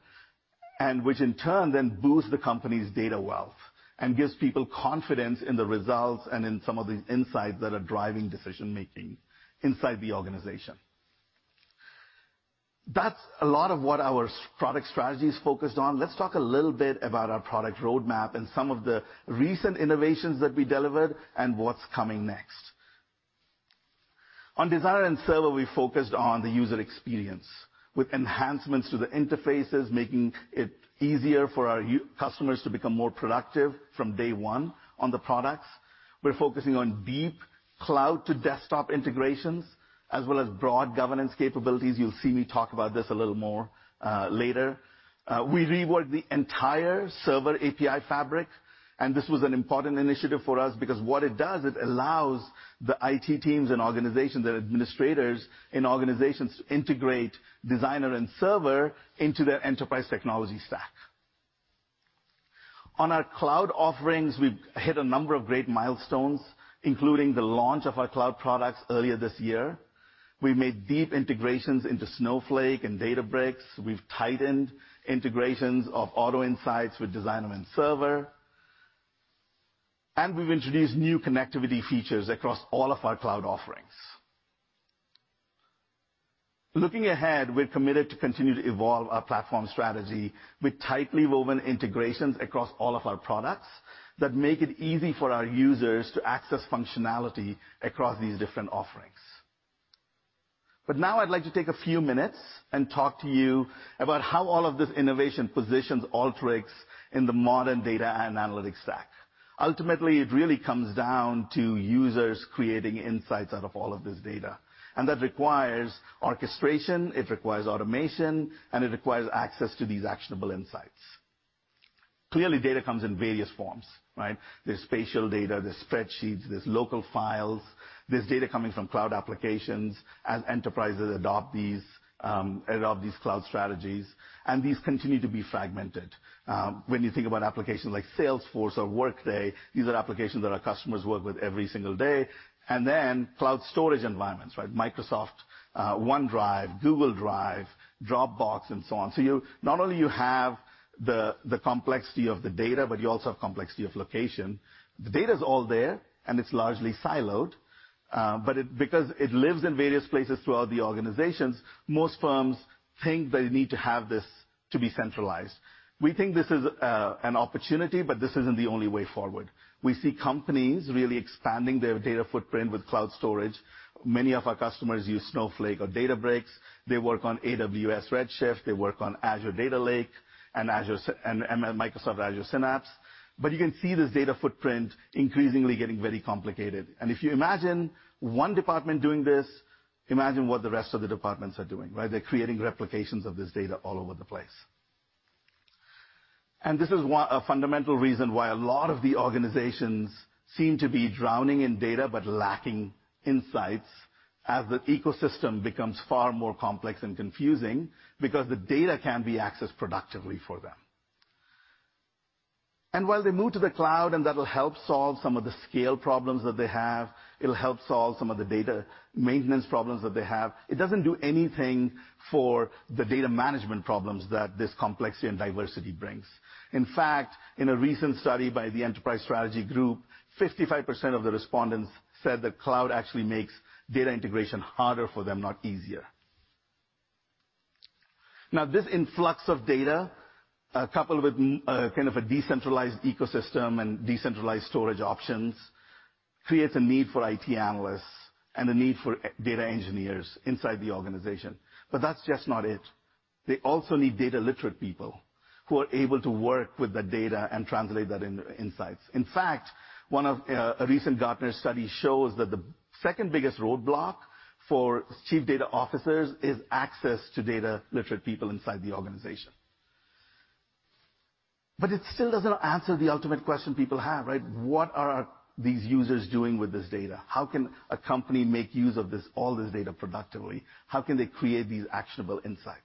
and which in turn then boosts the company's data wealth and gives people confidence in the results and in some of the insights that are driving decision-making inside the organization. That's a lot of what our SaaS product strategy is focused on. Let's talk a little bit about our product roadmap and some of the recent innovations that we delivered and what's coming next. On Designer and Server, we focused on the user experience with enhancements to the interfaces, making it easier for our users and customers to become more productive from day one on the products. We're focusing on deep cloud-to-desktop integrations as well as broad governance capabilities. You'll see me talk about this a little more later. We reworked the entire server API fabric, and this was an important initiative for us because what it does, it allows the IT teams and organizations, the administrators in organizations to integrate Designer and Server into their enterprise technology stack. On our cloud offerings, we've hit a number of great milestones, including the launch of our cloud products earlier this year. We made deep integrations into Snowflake and Databricks. We've tightened integrations of Auto Insights with Designer and Server. We've introduced new connectivity features across all of our cloud offerings. Looking ahead, we're committed to continue to evolve our platform strategy with tightly woven integrations across all of our products that make it easy for our users to access functionality across these different offerings. Now I'd like to take a few minutes and talk to you about how all of this innovation positions Alteryx in the modern data and analytics stack. Ultimately, it really comes down to users creating insights out of all of this data, and that requires orchestration, it requires automation, and it requires access to these actionable insights. Clearly, data comes in various forms, right? There's spatial data, there's spreadsheets, there's local files, there's data coming from cloud applications as enterprises adopt these cloud strategies, and these continue to be fragmented. When you think about applications like Salesforce or Workday, these are applications that our customers work with every single day. Then cloud storage environments, right? Microsoft OneDrive, Google Drive, Dropbox, and so on. So not only you have the complexity of the data, but you also have complexity of location. The data's all there, and it's largely siloed, but because it lives in various places throughout the organizations, most firms think they need to have this to be centralized. We think this is an opportunity, but this isn't the only way forward. We see companies really expanding their data footprint with cloud storage. Many of our customers use Snowflake or Databricks. They work on AWS Redshift. They work on Azure Data Lake and Microsoft Azure Synapse. You can see this data footprint increasingly getting very complicated. If you imagine one department doing this, imagine what the rest of the departments are doing, right? They're creating replications of this data all over the place. This is a fundamental reason why a lot of the organizations seem to be drowning in data but lacking insights as the ecosystem becomes far more complex and confusing because the data can't be accessed productively for them. While they move to the cloud, and that'll help solve some of the scale problems that they have, it'll help solve some of the data maintenance problems that they have, it doesn't do anything for the data management problems that this complexity and diversity brings. In fact, in a recent study by the Enterprise Strategy Group, 55% of the respondents said that cloud actually makes data integration harder for them, not easier. Now, this influx of data, coupled with kind of a decentralized ecosystem and decentralized storage options, creates a need for IT analysts and a need for data engineers inside the organization. That's just not it. They also need data literate people who are able to work with the data and translate that in insights. In fact, a recent Gartner study shows that the second biggest roadblock for chief data officers is access to data literate people inside the organization. It still doesn't answer the ultimate question people have, right? What are these users doing with this data? How can a company make use of this, all this data productively? How can they create these actionable insights?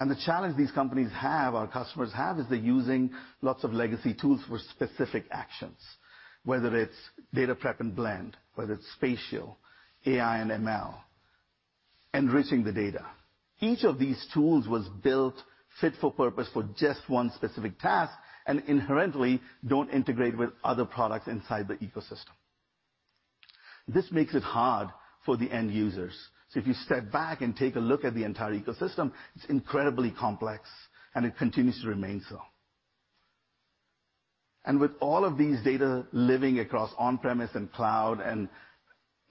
The challenge these companies have, our customers have, is they're using lots of legacy tools for specific actions, whether it's data prep and blend, whether it's spatial, AI and ML, enriching the data. Each of these tools was built fit for purpose for just one specific task, and inherently don't integrate with other products inside the ecosystem. This makes it hard for the end users. If you step back and take a look at the entire ecosystem, it's incredibly complex, and it continues to remain so. With all of these data living across on-premise and cloud and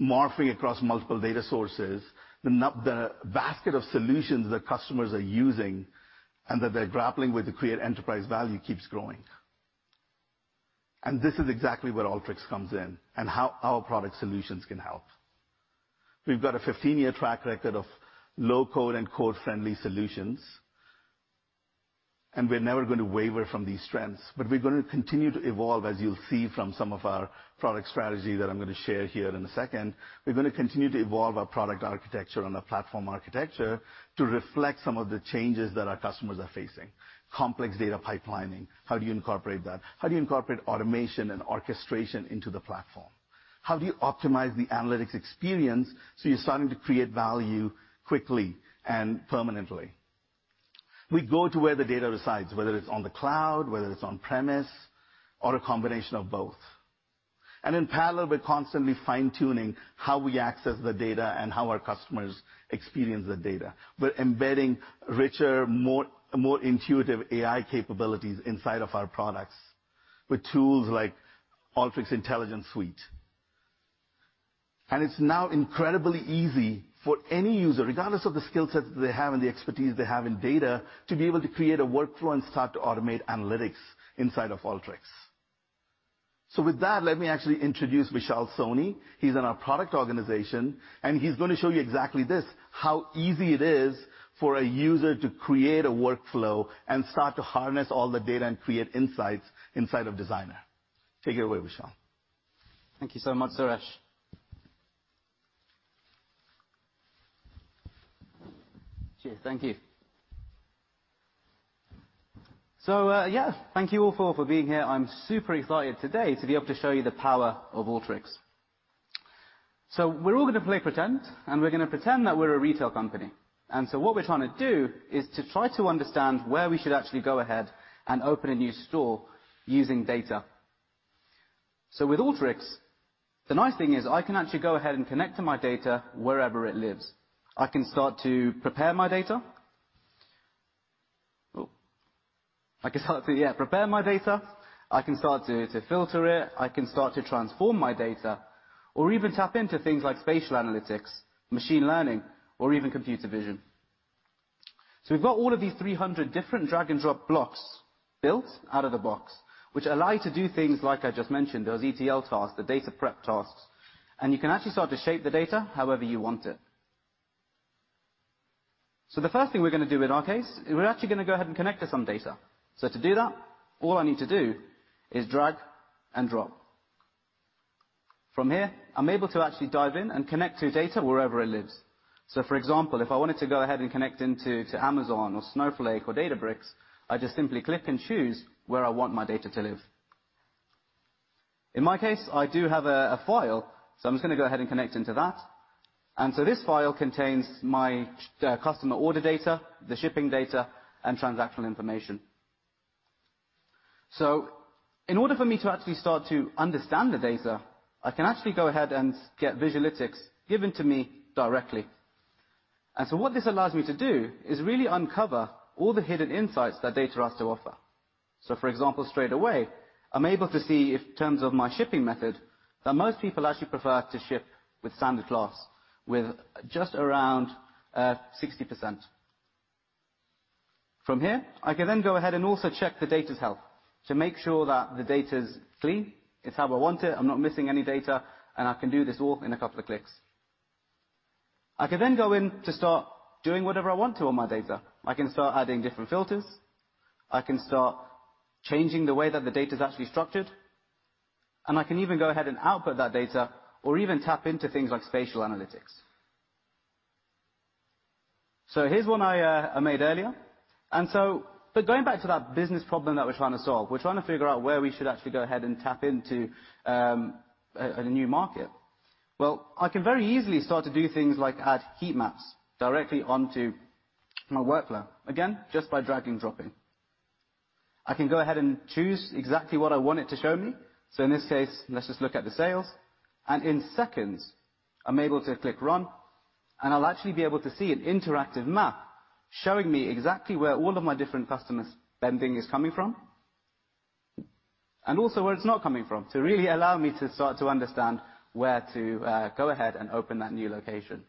morphing across multiple data sources, the basket of solutions that customers are using and that they're grappling with to create enterprise value keeps growing. This is exactly where Alteryx comes in and how our product solutions can help. We've got a 15-year track record of low-code and code-friendly solutions, and we're never gonna waver from these strengths. We're gonna continue to evolve, as you'll see from some of our product strategy that I'm gonna share here in a second. We're gonna continue to evolve our product architecture and our platform architecture to reflect some of the changes that our customers are facing. Complex data pipelining, how do you incorporate that? How do you incorporate automation and orchestration into the platform? How do you optimize the analytics experience, so you're starting to create value quickly and permanently? We go to where the data resides, whether it's on the cloud, whether it's on-premise or a combination of both. In parallel, we're constantly fine-tuning how we access the data and how our customers experience the data. We're embedding richer, more intuitive AI capabilities inside of our products with tools like Alteryx Intelligence Suite. It's now incredibly easy for any user, regardless of the skill set that they have and the expertise they have in data, to be able to create a workflow and start to automate analytics inside of Alteryx. With that, let me actually introduce Vishal Soni. He's in our product organization, and he's gonna show you exactly this, how easy it is for a user to create a workflow and start to harness all the data and create insights inside of Designer. Take it away, Vishal. Thank you so much, Suresh. Cheers. Thank you. Yes, thank you all for being here. I'm super excited today to be able to show you the power of Alteryx. We're all gonna play pretend, and we're gonna pretend that we're a retail company. What we're trying to do is to try to understand where we should actually go ahead and open a new store using data. With Alteryx, the nice thing is I can actually go ahead and connect to my data wherever it lives. I can start to prepare my data. I can start to filter it. I can start to transform my data or even tap into things like spatial analytics, machine learning, or even computer vision. We've got all of these 300 different drag-and-drop blocks built out of the box, which allow you to do things like I just mentioned, those ETL tasks, the data prep tasks, and you can actually start to shape the data however you want it. The first thing we're gonna do in our case is we're actually gonna go ahead and connect to some data. To do that, all I need to do is drag and drop. From here, I'm able to actually dive in and connect to data wherever it lives. For example, if I wanted to go ahead and connect into Amazon or Snowflake or Databricks, I just simply click and choose where I want my data to live. In my case, I do have a file, so I'm just gonna go ahead and connect into that. This file contains my customer order data, the shipping data, and transactional information. In order for me to actually start to understand the data, I can actually go ahead and get visualytics given to me directly. What this allows me to do is really uncover all the hidden insights that data has to offer. For example, straight away, I'm able to see if in terms of my shipping method, that most people actually prefer to ship with standard class with just around 60%. From here, I can then go ahead and also check the data's health to make sure that the data's clean. It's how I want it. I'm not missing any data, and I can do this all in a couple of clicks. I can then go in to start doing whatever I want to on my data. I can start adding different filters. I can start changing the way that the data's actually structured. I can even go ahead and output that data or even tap into things like spatial analytics. Here's one I made earlier. Going back to that business problem that we're trying to solve, we're trying to figure out where we should actually go ahead and tap into a new market. Well, I can very easily start to do things like add heat maps directly onto my workflow, again, just by drag and dropping. I can go ahead and choose exactly what I want it to show me. In this case, let's just look at the sales. In seconds, I'm able to click run, and I'll actually be able to see an interactive map showing me exactly where all of my different customers' spending is coming from and also where it's not coming from to really allow me to start to understand where to go ahead and open that new location.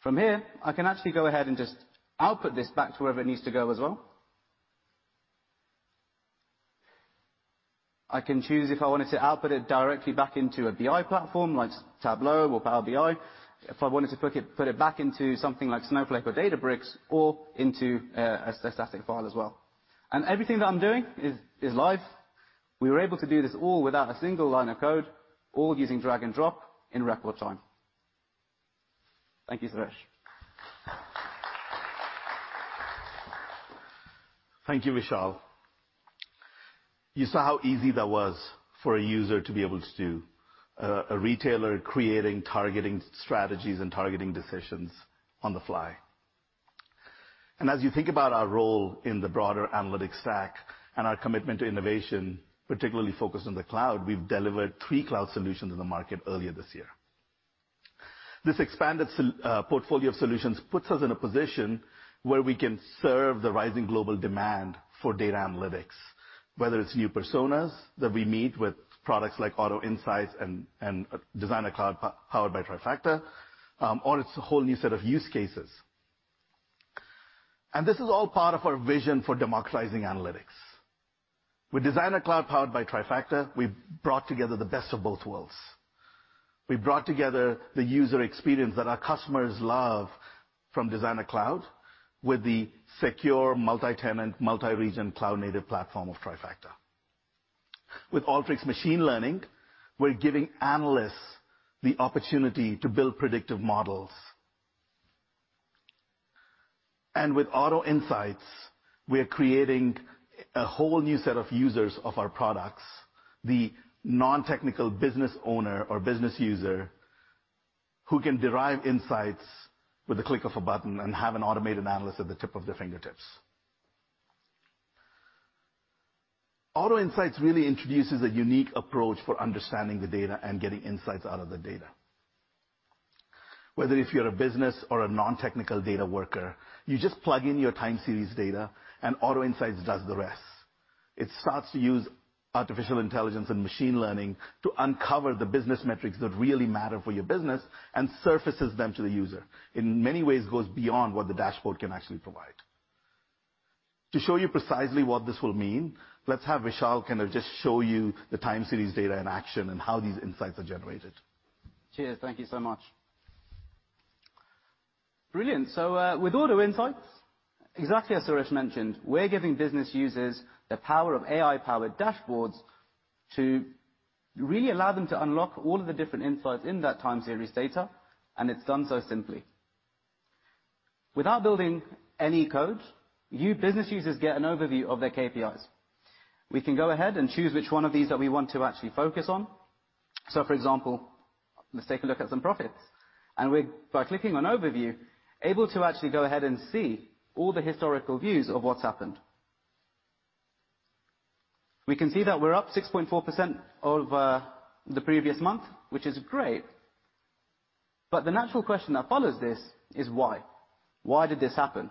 From here, I can actually go ahead and just output this back to wherever it needs to go as well. I can choose if I wanted to output it directly back into a BI platform like Tableau or Power BI, if I wanted to put it back into something like Snowflake or Databricks or into a static file as well. Everything that I'm doing is live. We were able to do this all without a single line of code, all using drag and drop in record time. Thank you, Suresh. Thank you, Vishal. You saw how easy that was for a user to be able to do, a retailer creating targeting strategies and targeting decisions on the fly. As you think about our role in the broader analytics stack and our commitment to innovation, particularly focused on the cloud, we've delivered three cloud solutions in the market earlier this year. This expanded portfolio of solutions puts us in a position where we can serve the rising global demand for data analytics, whether it's new personas that we meet with products like Auto Insights and Designer Cloud powered by Trifacta, or it's a whole new set of use cases. This is all part of our vision for democratizing analytics. With Designer Cloud powered by Trifacta, we've brought together the best of both worlds. We brought together the user experience that our customers love from Designer Cloud with the secure multi-tenant, multi-region cloud-native platform of Trifacta. With Alteryx Machine Learning, we're giving analysts the opportunity to build predictive models. With Auto Insights, we are creating a whole new set of users of our products, the non-technical business owner or business user who can derive insights with a click of a button and have an automated analyst at the tip of their fingertips. Auto Insights really introduces a unique approach for understanding the data and getting insights out of the data. Whether if you're a business or a non-technical data worker, you just plug in your time series data and Auto Insights does the rest. It starts to use artificial intelligence and machine learning to uncover the business metrics that really matter for your business and surfaces them to the user. In many ways, it goes beyond what the dashboard can actually provide. To show you precisely what this will mean, let's have Vishal kind of just show you the time series data in action and how these insights are generated. Cheers. Thank you so much. Brilliant. With Auto Insights, exactly as Suresh mentioned, we're giving business users the power of AI-powered dashboards to really allow them to unlock all of the different insights in that time series data, and it's done so simply. Without building any code, you business users get an overview of their KPIs. We can go ahead and choose which one of these that we want to actually focus on. For example, let's take a look at some profits. We're, by clicking on Overview, able to actually go ahead and see all the historical views of what's happened. We can see that we're up 6.4% over the previous month, which is great. The natural question that follows this is why? Why did this happen?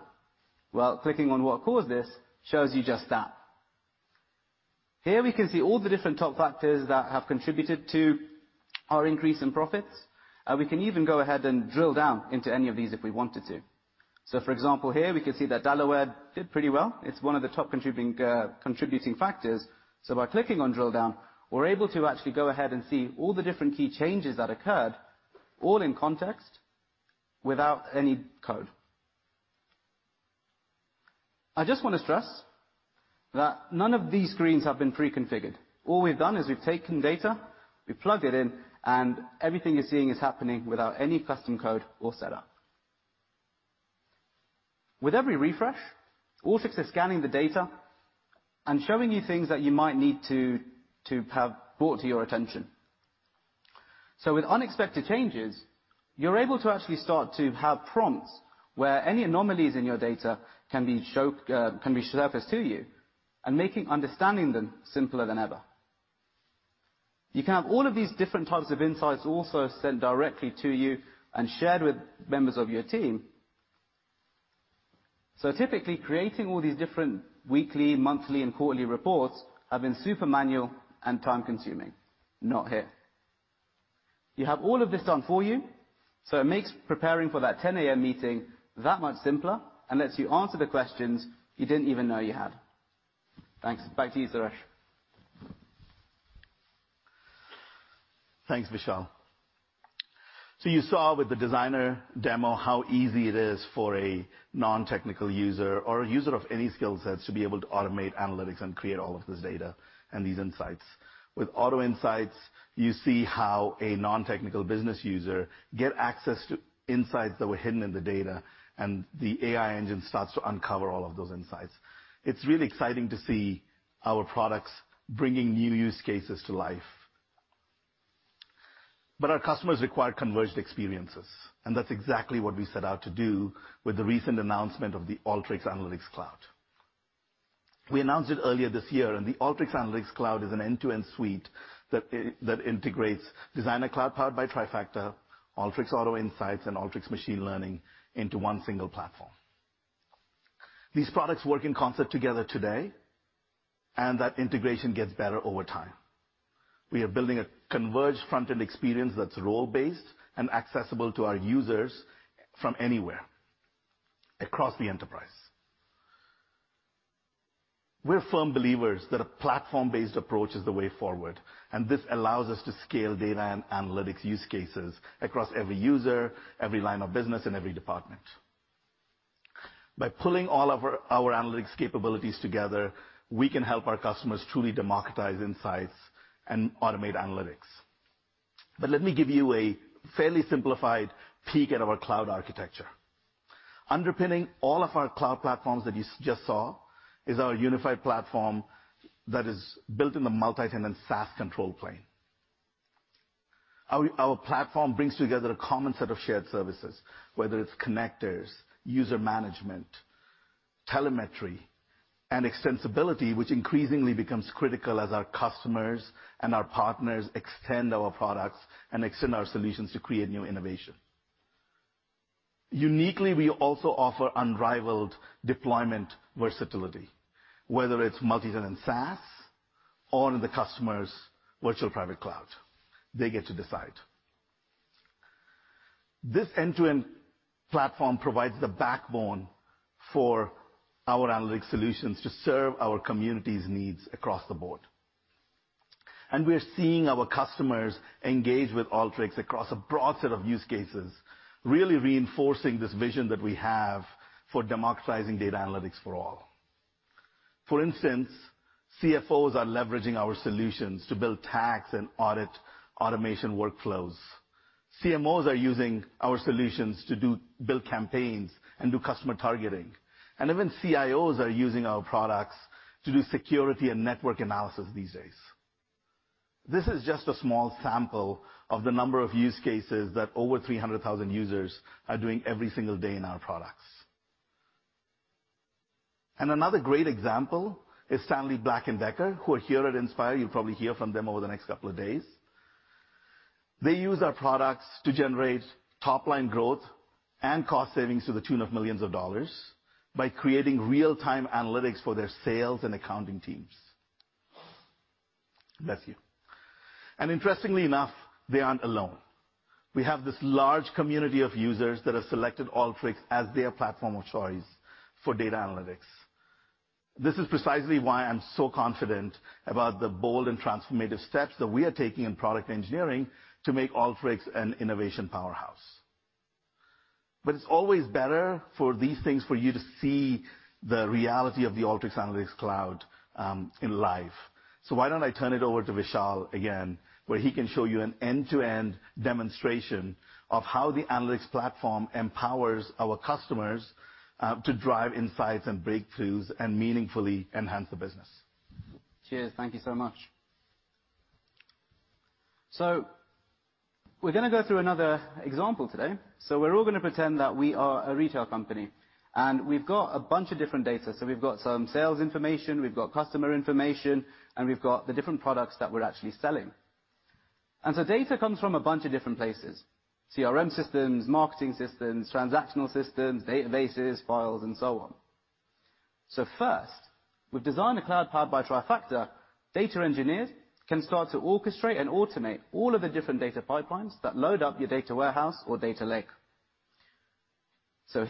Well, clicking on what caused this shows you just that. Here we can see all the different top factors that have contributed to our increase in profits. We can even go ahead and drill down into any of these if we wanted to. For example, here, we can see that Delaware did pretty well. It's one of the top contributing factors. By clicking on drill down, we're able to actually go ahead and see all the different key changes that occurred all in context without any code. I just wanna stress that none of these screens have been pre-configured. All we've done is we've taken data, we plugged it in, and everything you're seeing is happening without any custom code or setup. With every refresh, Alteryx is scanning the data and showing you things that you might need to have brought to your attention. With unexpected changes, you're able to actually start to have prompts where any anomalies in your data can be surfaced to you and making understanding them simpler than ever. You can have all of these different types of insights also sent directly to you and shared with members of your team. Typically, creating all these different weekly, monthly, and quarterly reports have been super manual and time-consuming. Not here. You have all of this done for you, so it makes preparing for that 10 A.M. meeting that much simpler and lets you answer the questions you didn't even know you had. Thanks. Back to you, Suresh. Thanks, Vishal. You saw with the Designer demo how easy it is for a non-technical user or a user of any skill sets to be able to automate analytics and create all of this data and these insights. With Auto Insights, you see how a non-technical business user get access to insights that were hidden in the data, and the AI engine starts to uncover all of those insights. It's really exciting to see our products bringing new use cases to life. Our customers require converged experiences, and that's exactly what we set out to do with the recent announcement of the Alteryx Analytics Cloud. We announced it earlier this year, and the Alteryx Analytics Cloud is an end-to-end suite that that integrates Designer Cloud powered by Trifacta, Alteryx Auto Insights, and Alteryx Machine Learning into one single platform. These products work in concert together today, and that integration gets better over time. We are building a converged front-end experience that's role-based and accessible to our users from anywhere across the enterprise. We're firm believers that a platform-based approach is the way forward, and this allows us to scale data and analytics use cases across every user, every line of business, and every department. By pulling all of our analytics capabilities together, we can help our customers truly democratize insights and automate analytics. Let me give you a fairly simplified peek at our cloud architecture. Underpinning all of our cloud platforms that you just saw is our unified platform that is built in the multi-tenant SaaS control plane. Our platform brings together a common set of shared services, whether it's connectors, user management, telemetry, and extensibility, which increasingly becomes critical as our customers and our partners extend our products and extend our solutions to create new innovation. Uniquely, we also offer unrivaled deployment versatility, whether it's multi-tenant SaaS or in the customer's virtual private cloud. They get to decide. This end-to-end platform provides the backbone for our analytics solutions to serve our community's needs across the board. We're seeing our customers engage with Alteryx across a broad set of use cases, really reinforcing this vision that we have for democratizing data analytics for all. For instance, CFOs are leveraging our solutions to build tax and audit automation workflows. CMOs are using our solutions to do build campaigns and do customer targeting. Even CIOs are using our products to do security and network analysis these days. This is just a small sample of the number of use cases that over 300,000 users are doing every single day in our products. Another great example is Stanley Black & Decker, who are here at Inspire. You'll probably hear from them over the next couple of days. They use our products to generate top-line growth and cost savings to the tune of $millions by creating real-time analytics for their sales and accounting teams. Bless you. Interestingly enough, they aren't alone. We have this large community of users that have selected Alteryx as their platform of choice for data analytics. This is precisely why I'm so confident about the bold and transformative steps that we are taking in product engineering to make Alteryx an innovation powerhouse. It's always better for these things for you to see the reality of the Alteryx Analytics Cloud, in live. Why don't I turn it over to Vishal again, where he can show you an end-to-end demonstration of how the analytics platform empowers our customers, to drive insights and breakthroughs and meaningfully enhance the business. Cheers. Thank you so much. We're gonna go through another example today. We're all gonna pretend that we are a retail company, and we've got a bunch of different data. We've got some sales information, we've got customer information, and we've got the different products that we're actually selling. Data comes from a bunch of different places, CRM systems, marketing systems, transactional systems, databases, files, and so on. First, with Designer Cloud powered by Trifacta, data engineers can start to orchestrate and automate all of the different data pipelines that load up your data warehouse or data lake.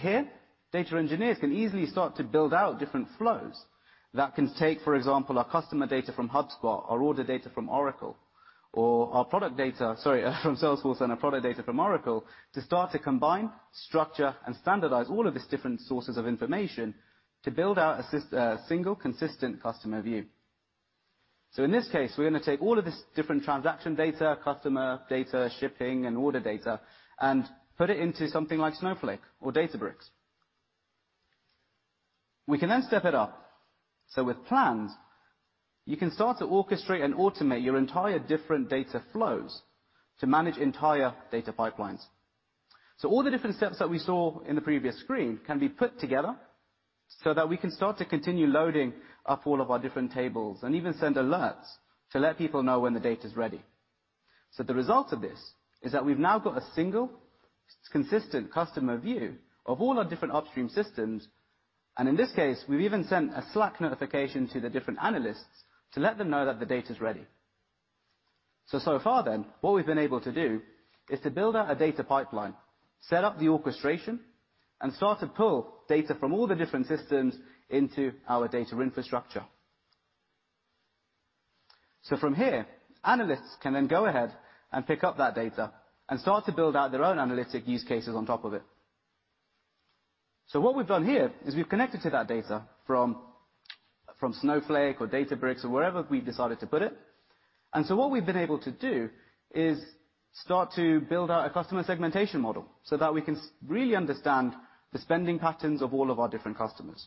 Here, data engineers can easily start to build out different flows that can take, for example, our customer data from HubSpot, our order data from Oracle, or our product data. Sorry, from Salesforce, and our product data from Oracle to start to combine, structure, and standardize all of these different sources of information to build out a single consistent customer view. In this case, we're gonna take all of this different transaction data, customer data, shipping, and order data, and put it into something like Snowflake or Databricks. We can then step it up. With Plans, you can start to orchestrate and automate your entire different data flows to manage entire data pipelines. All the different steps that we saw in the previous screen can be put together so that we can start to continue loading up all of our different tables, and even send alerts to let people know when the data's ready. The result of this is that we've now got a single consistent customer view of all our different upstream systems, and in this case, we've even sent a Slack notification to the different analysts to let them know that the data's ready. So far then, what we've been able to do is to build out a data pipeline, set up the orchestration, and start to pull data from all the different systems into our data infrastructure. From here, analysts can then go ahead and pick up that data and start to build out their own analytic use cases on top of it. What we've done here is we've connected to that data from Snowflake or Databricks or wherever we've decided to put it. What we've been able to do is start to build out a customer segmentation model so that we can really understand the spending patterns of all of our different customers.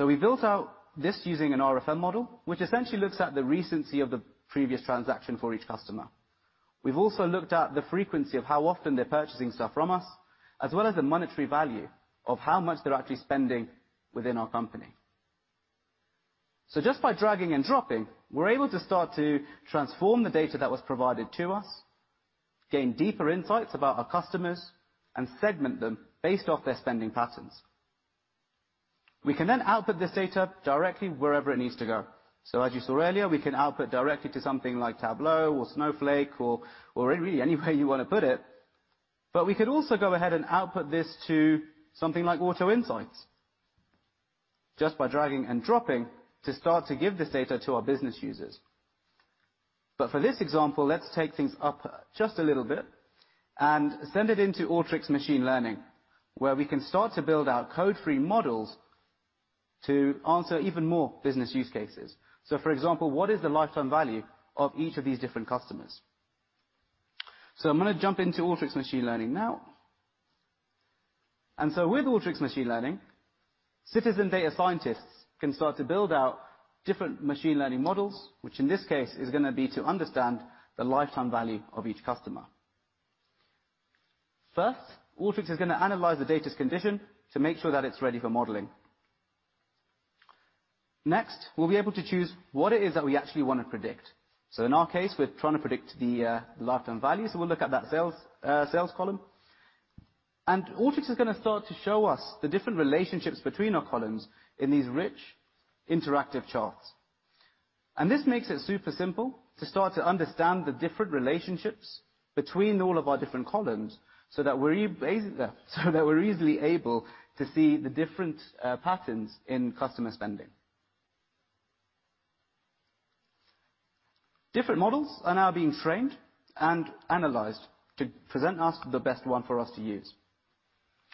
We built out this using an RFM model, which essentially looks at the recency of the previous transaction for each customer. We've also looked at the frequency of how often they're purchasing stuff from us, as well as the monetary value of how much they're actually spending within our company. Just by dragging and dropping, we're able to start to transform the data that was provided to us, gain deeper insights about our customers, and segment them based off their spending patterns. We can then output this data directly wherever it needs to go. As you saw earlier, we can output directly to something like Tableau or Snowflake or really anywhere you wanna put it. We could also go ahead and output this to something like Auto Insights just by dragging and dropping to start to give this data to our business users. For this example, let's take things up just a little bit and send it into Alteryx Machine Learning, where we can start to build our code-free models to answer even more business use cases. For example, what is the lifetime value of each of these different customers? I'm gonna jump into Alteryx Machine Learning now. With Alteryx Machine Learning, citizen data scientists can start to build out different machine learning models, which in this case is gonna be to understand the lifetime value of each customer. First, Alteryx is gonna analyze the data's condition to make sure that it's ready for modeling. Next, we'll be able to choose what it is that we actually wanna predict. In our case, we're trying to predict the lifetime value, so we'll look at that sales column. Alteryx is gonna start to show us the different relationships between our columns in these rich, interactive charts. This makes it super simple to start to understand the different relationships between all of our different columns so that we're easily able to see the different patterns in customer spending. Different models are now being trained and analyzed to present us the best one for us to use.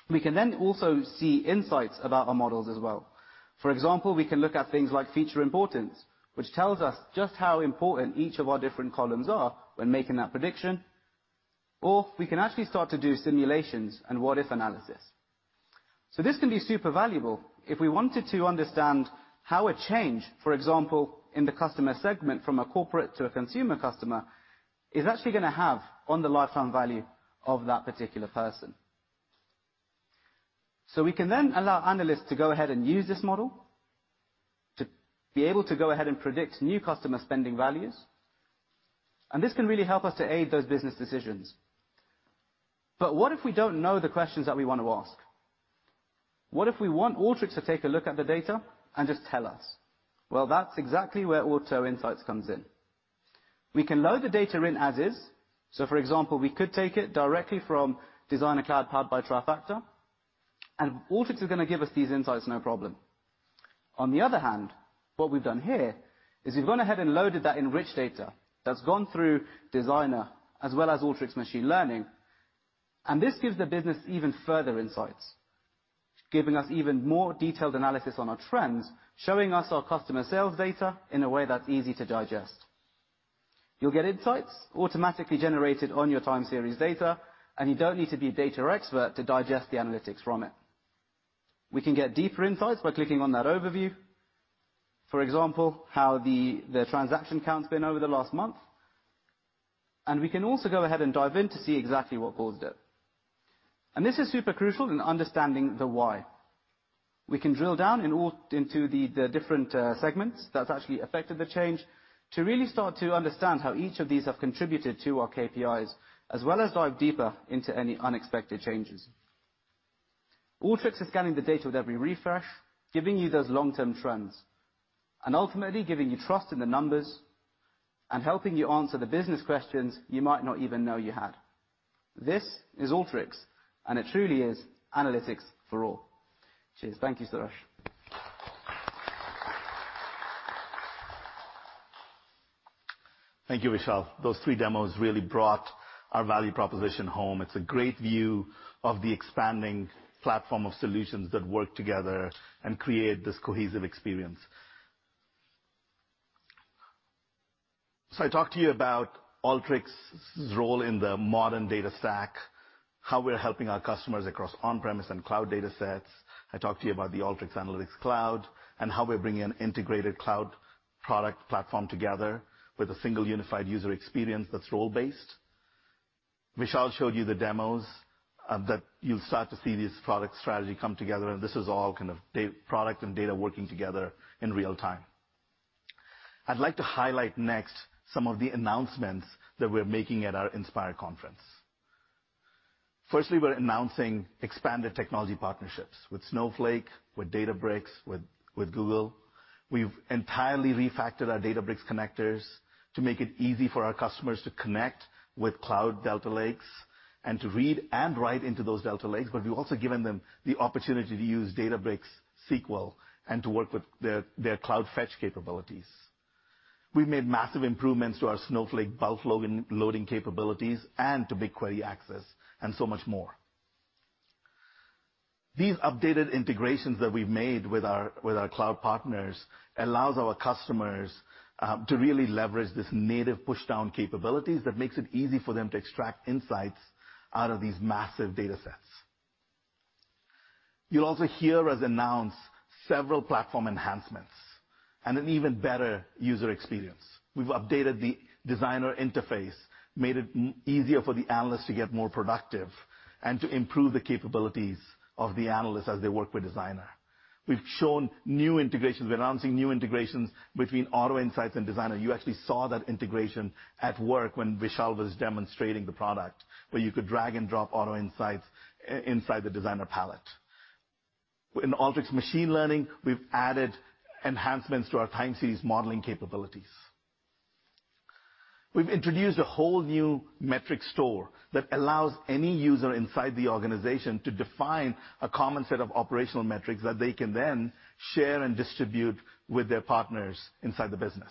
We can also see insights about our models as well. For example, we can look at things like feature importance, which tells us just how important each of our different columns are when making that prediction. We can actually start to do simulations and what-if analysis. This can be super valuable if we wanted to understand how a change, for example, in the customer segment from a corporate to a consumer customer, is actually gonna have on the lifetime value of that particular person. We can then allow analysts to go ahead and use this model to be able to go ahead and predict new customer spending values. This can really help us to aid those business decisions. What if we don't know the questions that we want to ask? What if we want Alteryx to take a look at the data and just tell us? Well, that's exactly where Auto Insights comes in. We can load the data in as is. For example, we could take it directly from Designer Cloud powered by Trifacta, and Alteryx is gonna give us these insights, no problem. On the other hand, what we've done here is we've gone ahead and loaded that enriched data that's gone through Designer as well as Alteryx Machine Learning, and this gives the business even further insights, giving us even more detailed analysis on our trends, showing us our customer sales data in a way that's easy to digest. You'll get insights automatically generated on your time series data, and you don't need to be a data expert to digest the analytics from it. We can get deeper insights by clicking on that overview. For example, how the transaction count has been over the last month. We can also go ahead and dive in to see exactly what caused it. This is super crucial in understanding the why. We can drill down into the different segments that's actually affected the change to really start to understand how each of these have contributed to our KPIs, as well as dive deeper into any unexpected changes. Alteryx is scanning the data with every refresh, giving you those long-term trends, and ultimately giving you trust in the numbers and helping you answer the business questions you might not even know you had. This is Alteryx, and it truly is analytics for all. Cheers. Thank you, Suresh. Thank you, Vishal. Those three demos really brought our value proposition home. It's a great view of the expanding platform of solutions that work together and create this cohesive experience. I talked to you about Alteryx's role in the modern data stack, how we're helping our customers across on-premise and cloud datasets. I talked to you about the Alteryx Analytics Cloud and how we're bringing an integrated cloud product platform together with a single unified user experience that's role-based. Vishal showed you the demos that you'll start to see this product strategy come together, and this is all kind of product and data working together in real time. I'd like to highlight next some of the announcements that we're making at our Inspire conference. Firstly, we're announcing expanded technology partnerships with Snowflake, with Databricks, with Google. We've entirely refactored our Databricks connectors to make it easy for our customers to connect with cloud Delta Lakes and to read and write into those Delta Lakes, but we've also given them the opportunity to use Databricks SQL and to work with their cloud fetch capabilities. We've made massive improvements to our Snowflake bulk loading capabilities and to BigQuery access and so much more. These updated integrations that we've made with our cloud partners allows our customers to really leverage this native push down capabilities that makes it easy for them to extract insights out of these massive data sets. You'll also hear us announce several platform enhancements and an even better user experience. We've updated the Designer interface, made it easier for the analyst to get more productive and to improve the capabilities of the analyst as they work with Designer. We've shown new integrations. We're announcing new integrations between Auto Insights and Designer. You actually saw that integration at work when Vishal was demonstrating the product, where you could drag and drop Auto Insights inside the Designer palette. In Alteryx Machine Learning, we've added enhancements to our time series modeling capabilities. We've introduced a whole new metric store that allows any user inside the organization to define a common set of operational metrics that they can then share and distribute with their partners inside the business.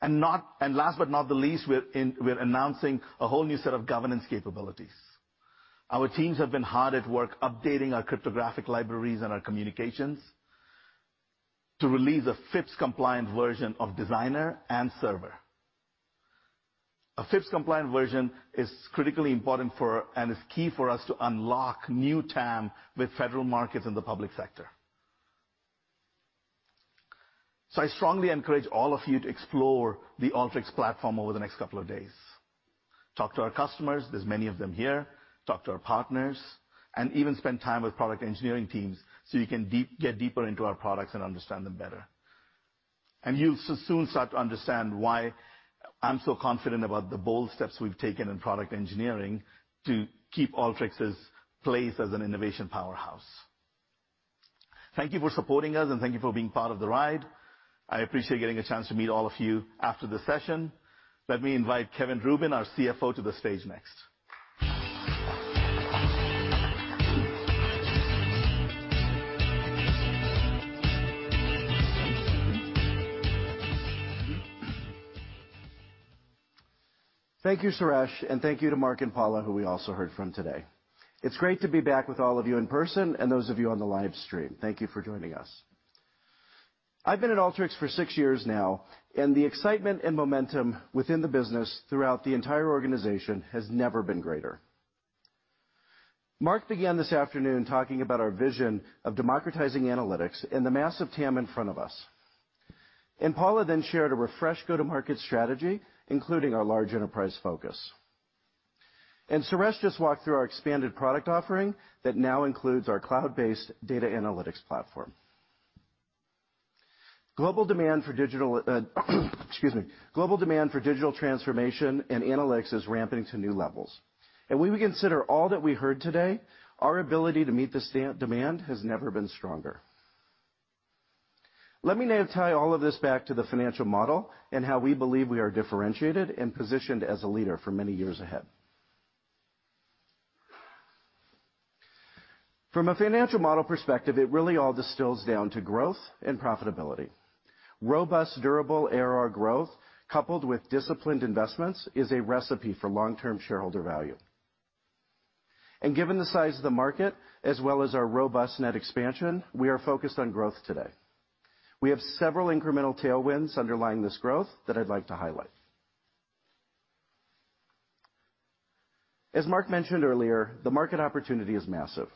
Last but not the least, we're announcing a whole new set of governance capabilities. Our teams have been hard at work updating our cryptographic libraries and our communications to release a FIPS compliant version of Designer and Server. A FIPS compliant version is critically important for, and is key for us to unlock new TAM with federal markets in the public sector. I strongly encourage all of you to explore the Alteryx platform over the next couple of days. Talk to our customers, there's many of them here, talk to our partners, and even spend time with product engineering teams, so you can get deeper into our products and understand them better. You'll soon start to understand why I'm so confident about the bold steps we've taken in product engineering to keep Alteryx's place as an innovation powerhouse. Thank you for supporting us, and thank you for being part of the ride. I appreciate getting a chance to meet all of you after the session. Let me invite Kevin Rubin, our CFO, to the stage next. Thank you, Suresh, and thank you to Mark and Paula, who we also heard from today. It's great to be back with all of you in person and those of you on the live stream. Thank you for joining us. I've been at Alteryx for six years now, and the excitement and momentum within the business throughout the entire organization has never been greater. Mark began this afternoon talking about our vision of democratizing analytics and the massive TAM in front of us. Paula then shared a refresh go-to-market strategy, including our large enterprise focus. Suresh just walked through our expanded product offering that now includes our cloud-based data analytics platform. Global demand for digital transformation and analytics is ramping to new levels. When we consider all that we heard today, our ability to meet this staggering demand has never been stronger. Let me now tie all of this back to the financial model and how we believe we are differentiated and positioned as a leader for many years ahead. From a financial model perspective, it really all distills down to growth and profitability. Robust, durable ARR growth coupled with disciplined investments is a recipe for long-term shareholder value. Given the size of the market as well as our robust net expansion, we are focused on growth today. We have several incremental tailwinds underlying this growth that I'd like to highlight. As Mark mentioned earlier, the market opportunity is massive.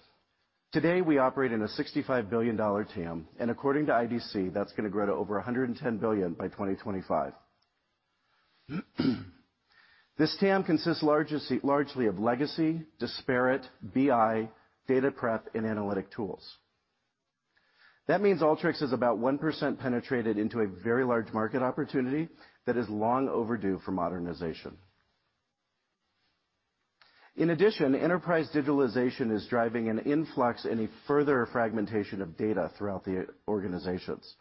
Today, we operate in a $65 billion TAM, and according to IDC, that's gonna grow to over $110 billion by 2025. This TAM consists largely of legacy, disparate, BI, data prep, and analytic tools. That means Alteryx is about 1% penetrated into a very large market opportunity that is long overdue for modernization. In addition, enterprise digitalization is driving an influx and a further fragmentation of data throughout the organizations.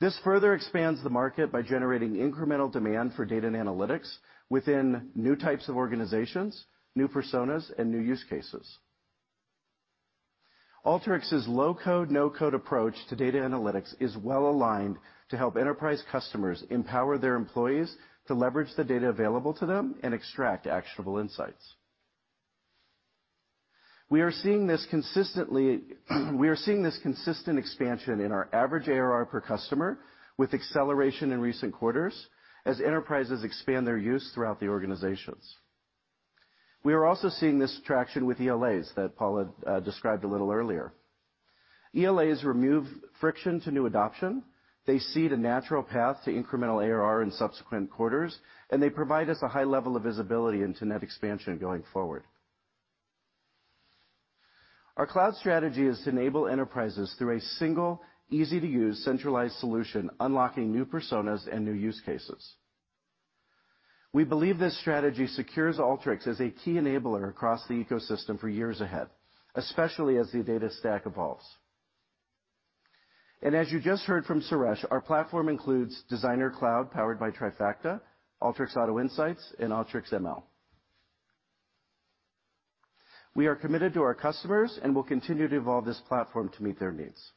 This further expands the market by generating incremental demand for data and analytics within new types of organizations, new personas, and new use cases. Alteryx's low-code, no-code approach to data analytics is well aligned to help enterprise customers empower their employees to leverage the data available to them and extract actionable insights. We are seeing this consistent expansion in our average ARR per customer with acceleration in recent quarters as enterprises expand their use throughout the organizations. We are also seeing this traction with ELAs that Paula described a little earlier. ELAs remove friction to new adoption, they seed a natural path to incremental ARR in subsequent quarters, and they provide us a high level of visibility into net expansion going forward. Our cloud strategy is to enable enterprises through a single easy-to-use centralized solution, unlocking new personas and new use cases. We believe this strategy secures Alteryx as a key enabler across the ecosystem for years ahead, especially as the data stack evolves. As you just heard from Suresh, our platform includes Designer Cloud powered by Trifacta, Alteryx Auto Insights, and Alteryx ML. We are committed to our customers and will continue to evolve this platform to meet their needs.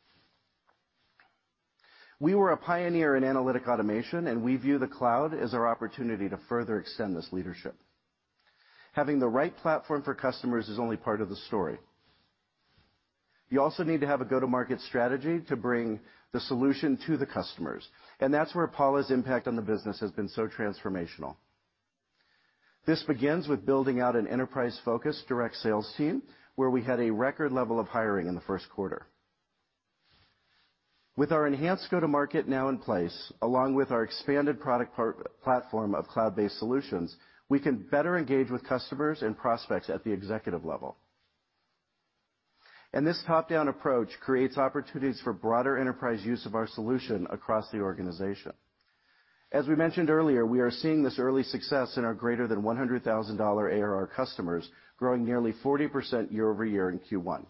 We were a pioneer in analytic automation, and we view the cloud as our opportunity to further extend this leadership. Having the right platform for customers is only part of the story. You also need to have a go-to-market strategy to bring the solution to the customers, and that's where Paula's impact on the business has been so transformational. This begins with building out an enterprise-focused direct sales team, where we had a record level of hiring in the first quarter. With our enhanced go-to-market now in place, along with our expanded product platform of cloud-based solutions, we can better engage with customers and prospects at the executive level. This top-down approach creates opportunities for broader enterprise use of our solution across the organization. As we mentioned earlier, we are seeing this early success in our greater than $100,000 ARR customers growing nearly 40% year-over-year in Q1.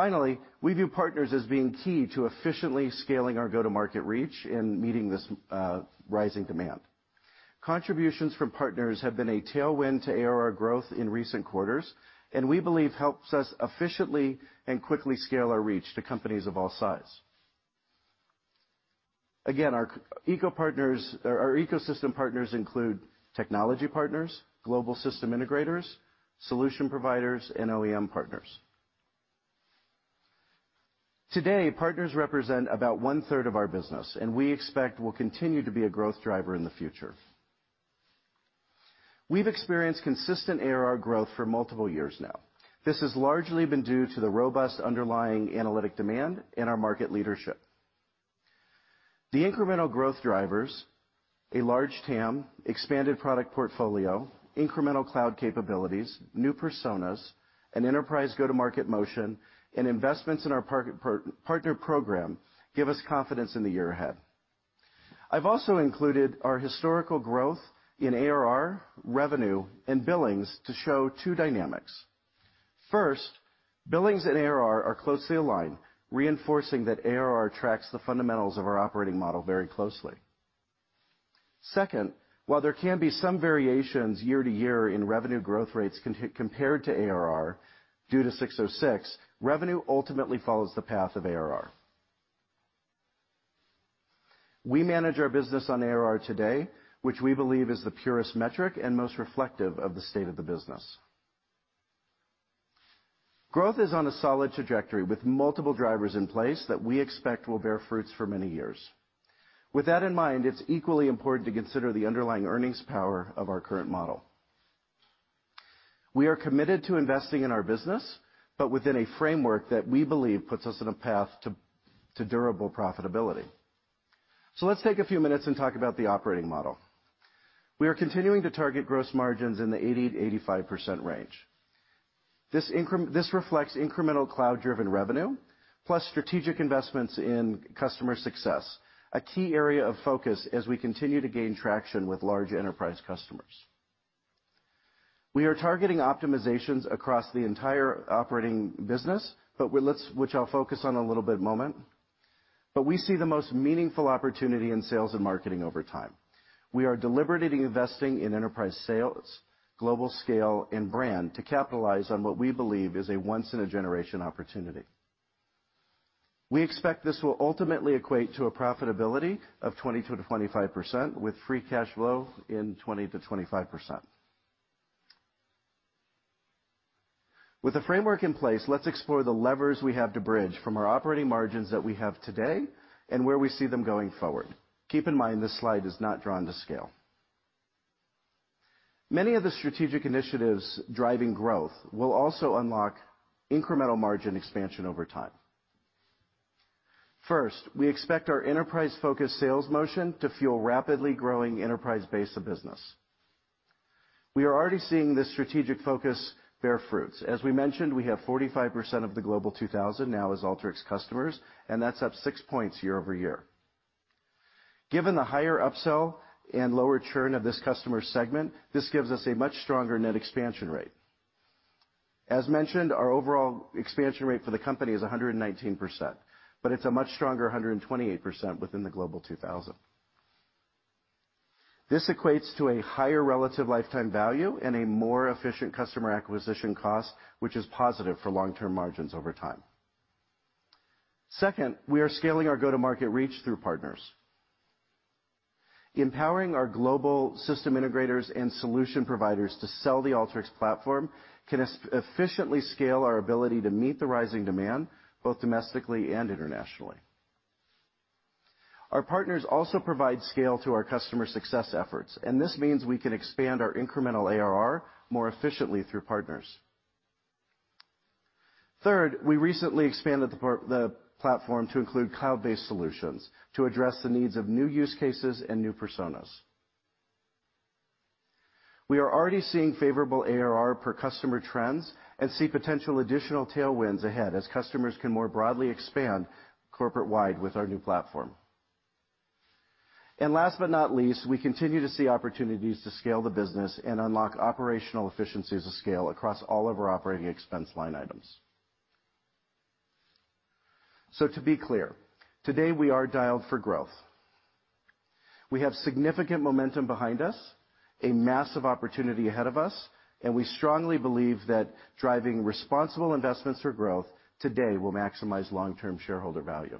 Finally, we view partners as being key to efficiently scaling our go-to-market reach in meeting this rising demand. Contributions from partners have been a tailwind to ARR growth in recent quarters, and we believe helps us efficiently and quickly scale our reach to companies of all size. Again, our ecosystem partners include technology partners, global system integrators, solution providers and OEM partners. Today, partners represent about 1/3 of our business, and we expect will continue to be a growth driver in the future. We've experienced consistent ARR growth for multiple years now. This has largely been due to the robust underlying analytics demand and our market leadership. The incremental growth drivers, a large TAM, expanded product portfolio, incremental cloud capabilities, new personas, an enterprise go-to-market motion, and investments in our partner program give us confidence in the year ahead. I've also included our historical growth in ARR, revenue and billings to show two dynamics. First, billings and ARR are closely aligned, reinforcing that ARR tracks the fundamentals of our operating model very closely. Second, while there can be some variations year to year in revenue growth rates compared to ARR due to ASC 606, revenue ultimately follows the path of ARR. We manage our business on ARR today, which we believe is the purest metric and most reflective of the state of the business. Growth is on a solid trajectory with multiple drivers in place that we expect will bear fruits for many years. With that in mind, it's equally important to consider the underlying earnings power of our current model. We are committed to investing in our business, but within a framework that we believe puts us on a path to durable profitability. Let's take a few minutes and talk about the operating model. We are continuing to target gross margins in the 80%-85% range. This reflects incremental cloud-driven revenue plus strategic investments in customer success, a key area of focus as we continue to gain traction with large enterprise customers. We are targeting optimizations across the entire operating business, but which I'll focus on in a little bit moment. We see the most meaningful opportunity in sales and marketing over time. We are deliberately investing in enterprise sales, global scale and brand to capitalize on what we believe is a once-in-a-generation opportunity. We expect this will ultimately equate to a profitability of 20%-25% with free cash flow in 20%-25%. With the framework in place, let's explore the levers we have to bridge from our operating margins that we have today and where we see them going forward. Keep in mind, this slide is not drawn to scale. Many of the strategic initiatives driving growth will also unlock incremental margin expansion over time. First, we expect our enterprise-focused sales motion to fuel rapidly growing enterprise base of business. We are already seeing this strategic focus bear fruits. As we mentioned, we have 45% of the Global 2000 now as Alteryx customers, and that's up six points year-over-year. Given the higher upsell and lower churn of this customer segment, this gives us a much stronger net expansion rate. As mentioned, our overall expansion rate for the company is 119%, but it's a much stronger 128% within the Global 2000. This equates to a higher relative lifetime value and a more efficient customer acquisition cost, which is positive for long-term margins over time. Second, we are scaling our go-to-market reach through partners. Empowering our global system integrators and solution providers to sell the Alteryx platform can efficiently scale our ability to meet the rising demand both domestically and internationally. Our partners also provide scale to our customer success efforts, and this means we can expand our incremental ARR more efficiently through partners. Third, we recently expanded the platform to include cloud-based solutions to address the needs of new use cases and new personas. We are already seeing favorable ARR per customer trends and see potential additional tailwinds ahead as customers can more broadly expand corporate-wide with our new platform. We continue to see opportunities to scale the business and unlock operational efficiencies of scale across all of our operating expense line items. To be clear, today we are dialed for growth. We have significant momentum behind us, a massive opportunity ahead of us, and we strongly believe that driving responsible investments for growth today will maximize long-term shareholder value.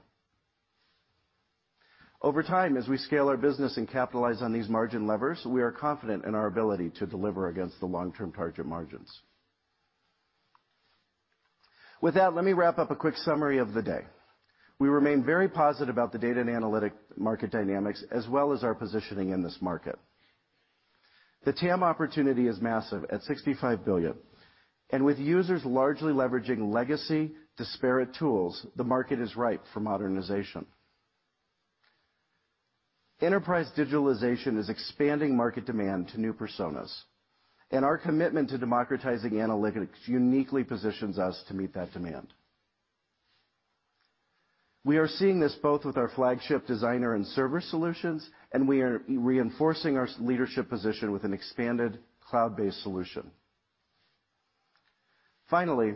Over time, as we scale our business and capitalize on these margin levers, we are confident in our ability to deliver against the long-term target margins. With that, let me wrap up a quick summary of the day. We remain very positive about the data and analytic market dynamics as well as our positioning in this market. The TAM opportunity is massive at $65 billion, and with users largely leveraging legacy disparate tools, the market is ripe for modernization. Enterprise digitalization is expanding market demand to new personas, and our commitment to democratizing analytics uniquely positions us to meet that demand. We are seeing this both with our flagship Designer and Server solutions, and we are reinforcing our leadership position with an expanded cloud-based solution. Finally,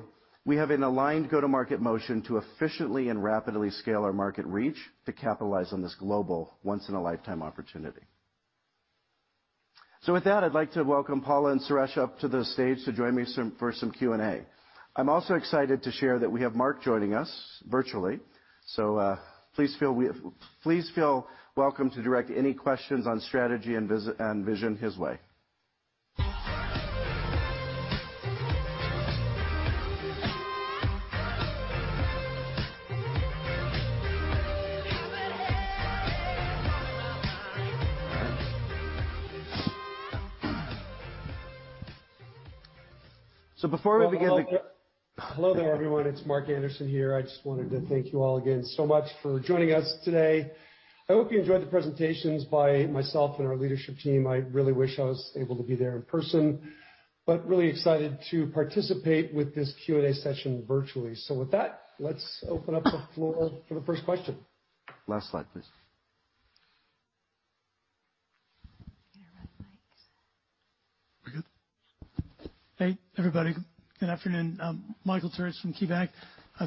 we have an aligned go-to-market motion to efficiently and rapidly scale our market reach to capitalize on this global once-in-a-lifetime opportunity. With that, I'd like to welcome Paula and Suresh up to the stage to join me for some Q&A. I'm also excited to share that we have Mark joining us virtually. Please feel welcome to direct any questions on strategy and vision his way. Before we begin the Hello there, everyone. It's Mark Anderson here. I just wanted to thank you all again so much for joining us today. I hope you enjoyed the presentations by myself and our leadership team. I really wish I was able to be there in person, but really excited to participate with this Q&A session virtually. With that, let's open up the floor for the first question. Last slide, please. You're gonna run the mics. We're good? Yeah. Hey, everybody. Good afternoon. I'm Michael Turits from KeyBanc.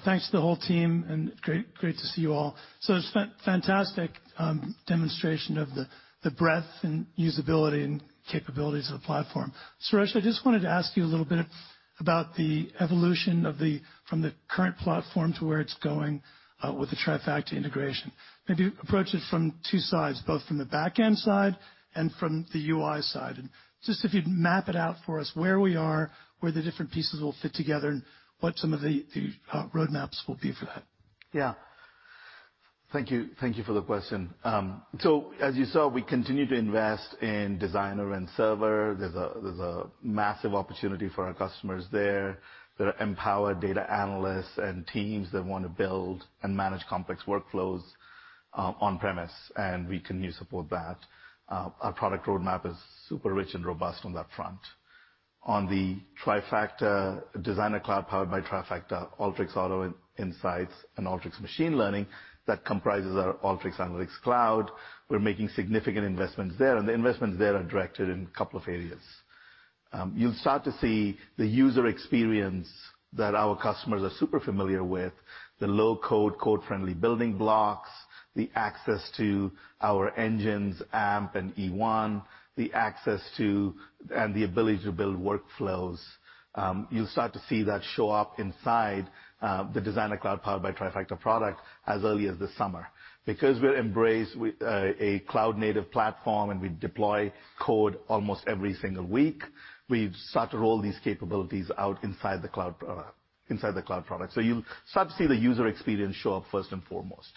Thanks to the whole team and great to see you all. It's fantastic demonstration of the breadth and usability and capabilities of the platform. Suresh, I just wanted to ask you a little bit about the evolution from the current platform to where it's going with the Trifacta integration. Maybe approach it from two sides, both from the back-end side and from the UI side. Just if you'd map it out for us, where we are, where the different pieces will fit together, and what some of the roadmaps will be for that. Yeah. Thank you for the question. As you saw, we continue to invest in Designer and Server. There's a massive opportunity for our customers there that are empowered data analysts and teams that wanna build and manage complex workflows, on-premise, and we continue to support that. Our product roadmap is super rich and robust on that front. On the Designer Cloud powered by Trifacta, Alteryx Auto Insights and Alteryx Machine Learning that comprises our Alteryx Analytics Cloud, we're making significant investments there, and the investments there are directed in a couple of areas. You'll start to see the user experience that our customers are super familiar with, the low-code, code-friendly building blocks, the access to our engines, AMP and E1, the access to and the ability to build workflows. You'll start to see that show up inside the Designer Cloud powered by Trifacta product as early as this summer. Because we embrace a cloud-native platform, and we deploy code almost every single week, we've started to roll these capabilities out inside the cloud product. You'll start to see the user experience show up first and foremost.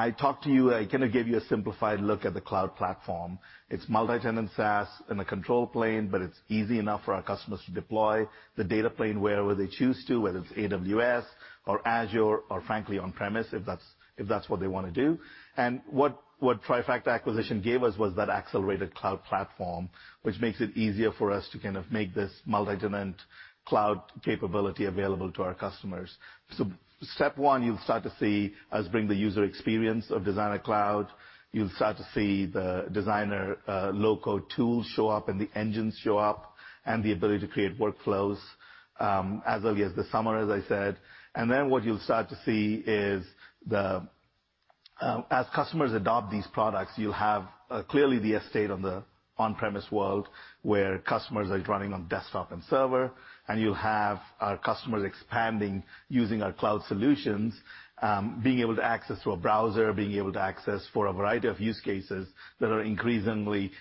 I talked to you, I kinda gave you a simplified look at the cloud platform. It's multi-tenant SaaS in the control plane, but it's easy enough for our customers to deploy the data plane wherever they choose to, whether it's AWS or Azure or frankly on-premise, if that's what they wanna do. What Trifacta acquisition gave us was that accelerated cloud platform, which makes it easier for us to kind of make this multi-tenant cloud capability available to our customers. Step one, you'll start to see us bring the user experience of Designer Cloud. You'll start to see the Designer low-code tools show up, and the engines show up, and the ability to create workflows as early as this summer, as I said. What you'll start to see is the, as customers adopt these products, you'll have clearly the estate on the on-premise world where customers are running on desktop and server, and you'll have our customers expanding using our cloud solutions, being able to access through a browser, being able to access for a variety of use cases that are increasingly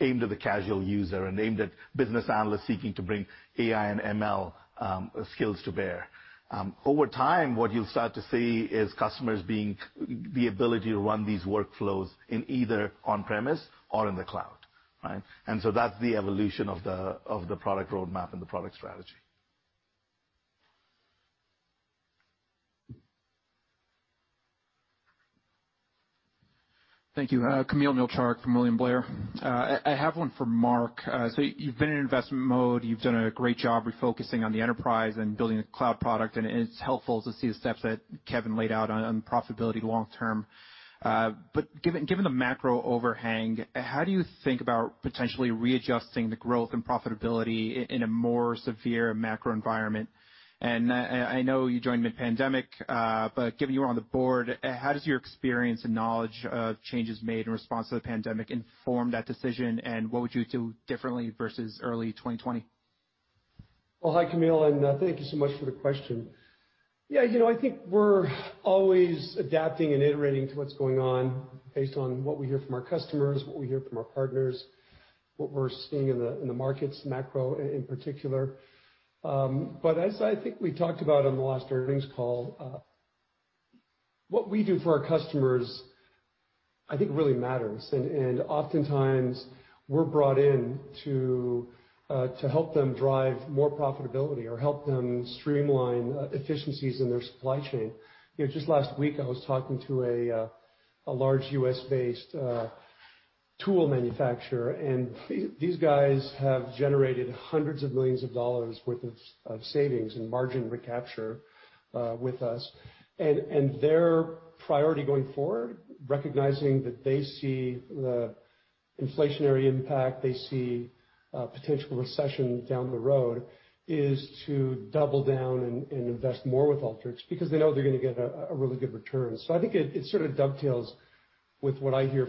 aimed at the casual user and aimed at business analysts seeking to bring AI and ML skills to bear. Over time, what you'll start to see is the ability to run these workflows in either on-premise or in the cloud, right? That's the evolution of the product roadmap and the product strategy. Thank you. Kamil Mielczarek from William Blair. I have one for Mark. So you've been in investment mode. You've done a great job refocusing on the enterprise and building a cloud product, and it's helpful to see the steps that Kevin laid out on profitability long term. But given the macro overhang, how do you think about potentially readjusting the growth and profitability in a more severe macro environment? I know you joined mid-pandemic, but given you were on the board, how does your experience and knowledge of changes made in response to the pandemic inform that decision, and what would you do differently versus early 2020? Well, hi, Kamil Mielczarek, and thank you so much for the question. Yeah, you know, I think we're always adapting and iterating to what's going on based on what we hear from our customers, what we hear from our partners, what we're seeing in the markets, macro in particular. As I think we talked about on the last earnings call, what we do for our customers, I think, really matters. Oftentimes we're brought in to help them drive more profitability or help them streamline efficiencies in their supply chain. You know, just last week I was talking to a large U.S. based tool manufacturer, and these guys have generated hundreds of millions of dollars worth of savings and margin recapture with us. Their priority going forward, recognizing that they see the inflationary impact, they see a potential recession down the road, is to double down and invest more with Alteryx because they know they're gonna get a really good return. I think it sort of dovetails with what I hear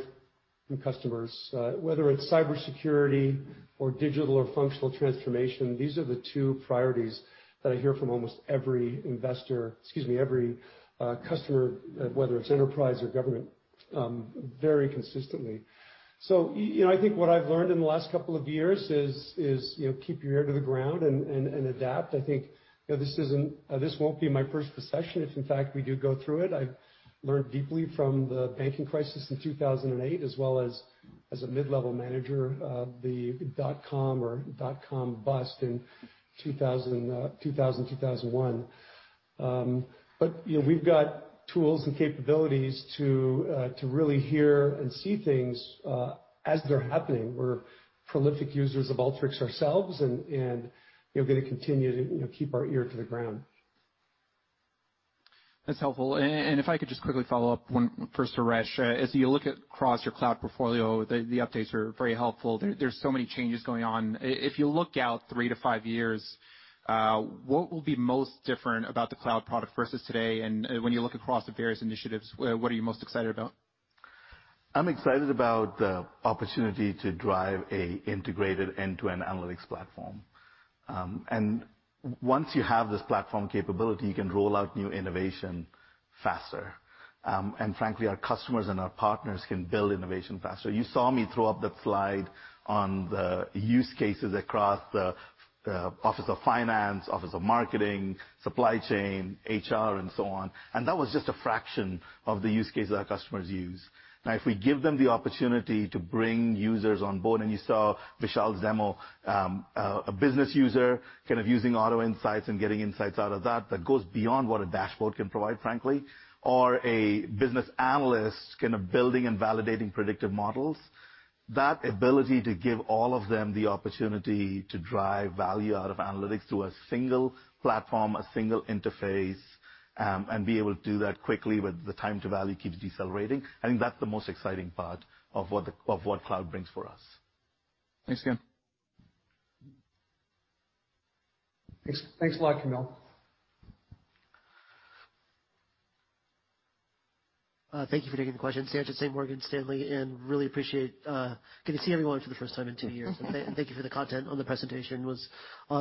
from customers. Whether it's cybersecurity or digital or functional transformation, these are the two priorities that I hear from almost every investor, excuse me, every customer, whether it's enterprise or government, very consistently. You know, I think what I've learned in the last couple of years is, you know, keep your ear to the ground and adapt. I think, you know, this isn't, this won't be my first recession if, in fact, we do go through it. I learned deeply from the banking crisis in 2008 as well as a mid-level manager of the dot-com bust in 2001. You know, we've got tools and capabilities to really hear and see things as they're happening. We're prolific users of Alteryx ourselves and you know gonna continue to you know keep our ear to the ground. That's helpful. If I could just quickly follow up, one for Suresh. As you look across your cloud portfolio, the updates are very helpful. There's so many changes going on. If you look out three to five years, what will be most different about the cloud product versus today? When you look across the various initiatives, what are you most excited about? I'm excited about the opportunity to drive an integrated end-to-end analytics platform. Once you have this platform capability, you can roll out new innovation faster. Frankly, our customers and our partners can build innovation faster. You saw me throw up that slide on the use cases across the office of finance, office of marketing, supply chain, HR, and so on, and that was just a fraction of the use cases our customers use. Now, if we give them the opportunity to bring users on board, and you saw Vishal's demo, a business user kind of using Auto Insights and getting insights out of that goes beyond what a dashboard can provide, frankly. Or a business analyst kind of building and validating predictive models. That ability to give all of them the opportunity to drive value out of analytics through a single platform, a single interface, and be able to do that quickly with the time to value keeps decelerating. I think that's the most exciting part of what cloud brings for us. Thanks, again. Thanks a lot, Kamil Mielczarek. Thank you for taking the question. Sanjit Singh, Morgan Stanley. Really appreciate getting to see everyone for the first time in two years. Thank you for the content on the presentation, was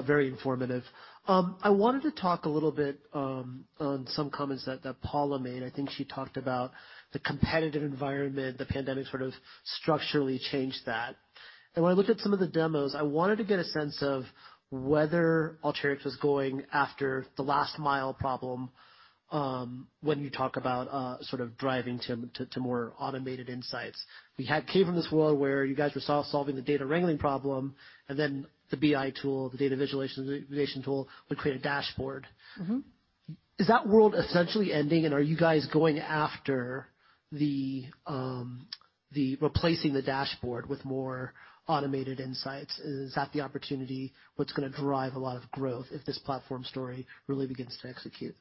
very informative. I wanted to talk a little bit on some comments that Paula made. I think she talked about the competitive environment, the pandemic sort of structurally changed that. When I looked at some of the demos, I wanted to get a sense of whether Alteryx was going after the last mile problem when you talk about sort of driving to more automated insights. We had came from this world where you guys were solving the data wrangling problem, and then the BI tool, the data visualization tool would create a dashboard. Mm-hmm. Is that world essentially ending, and are you guys going after the replacing the dashboard with more automated insights? Is that the opportunity what's gonna drive a lot of growth if this platform story really begins to execute?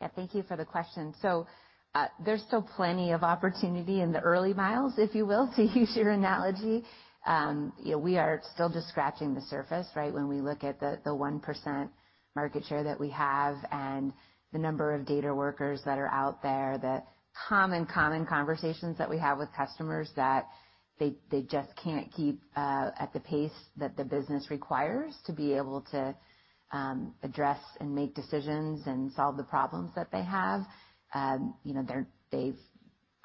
Yeah. Thank you for the question. There's still plenty of opportunity in the early miles, if you will, to use your analogy. You know, we are still just scratching the surface, right? When we look at the 1% market share that we have and the number of data workers that are out there, the common conversations that we have with customers that they just can't keep at the pace that the business requires to be able to address and make decisions and solve the problems that they have. You know, they've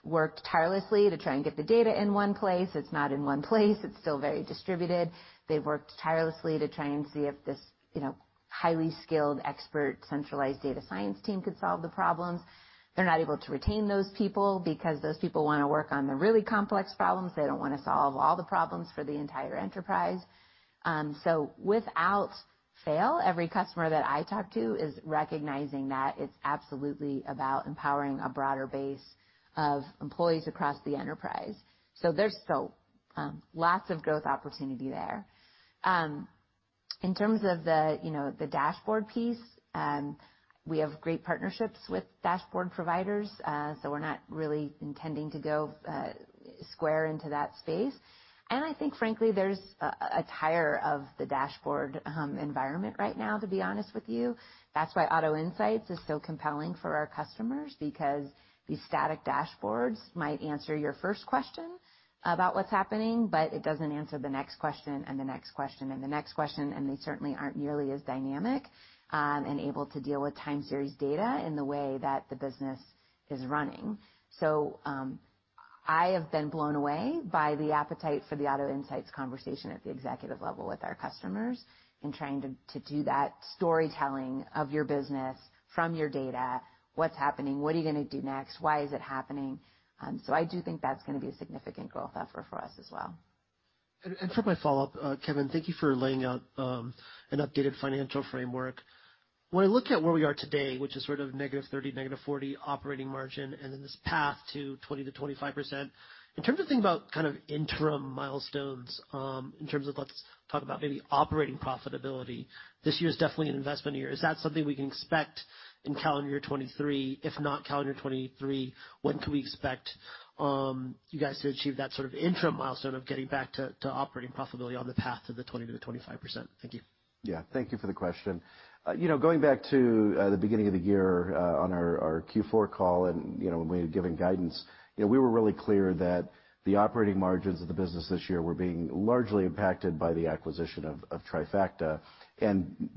worked tirelessly to try and get the data in one place. It's not in one place. It's still very distributed. They've worked tirelessly to try and see if this, you know, highly skilled expert, centralized data science team could solve the problems. They're not able to retain those people because those people wanna work on the really complex problems. They don't wanna solve all the problems for the entire enterprise. Without fail, every customer that I talk to is recognizing that it's absolutely about empowering a broader base of employees across the enterprise. There's still lots of growth opportunity there. In terms of the, you know, the dashboard piece, we have great partnerships with dashboard providers, so we're not really intending to go square into that space. I think frankly, there's tired of the dashboard environment right now, to be honest with you. That's why Auto Insights is so compelling for our customers because these static dashboards might answer your first question about what's happening, but it doesn't answer the next question and the next question and the next question, and they certainly aren't nearly as dynamic and able to deal with time series data in the way that the business is running. I have been blown away by the appetite for the Auto Insights conversation at the executive level with our customers in trying to do that storytelling of your business from your data. What's happening? What are you gonna do next? Why is it happening? I do think that's gonna be a significant growth effort for us as well. For my follow-up, Kevin, thank you for laying out an updated financial framework. When I look at where we are today, which is sort of negative 30, negative 40 operating margin, and then this path to 20%-25%, in terms of thinking about kind of interim milestones, in terms of let's talk about maybe operating profitability, this year is definitely an investment year. Is that something we can expect in calendar year 2023? If not calendar 2023, when can we expect you guys to achieve that sort of interim milestone of getting back to operating profitability on the path to the 20%-25%? Thank you. Yeah. Thank you for the question. You know, going back to the beginning of the year, on our Q4 call and, you know, when we had given guidance, you know, we were really clear that the operating margins of the business this year were being largely impacted by the acquisition of Trifacta.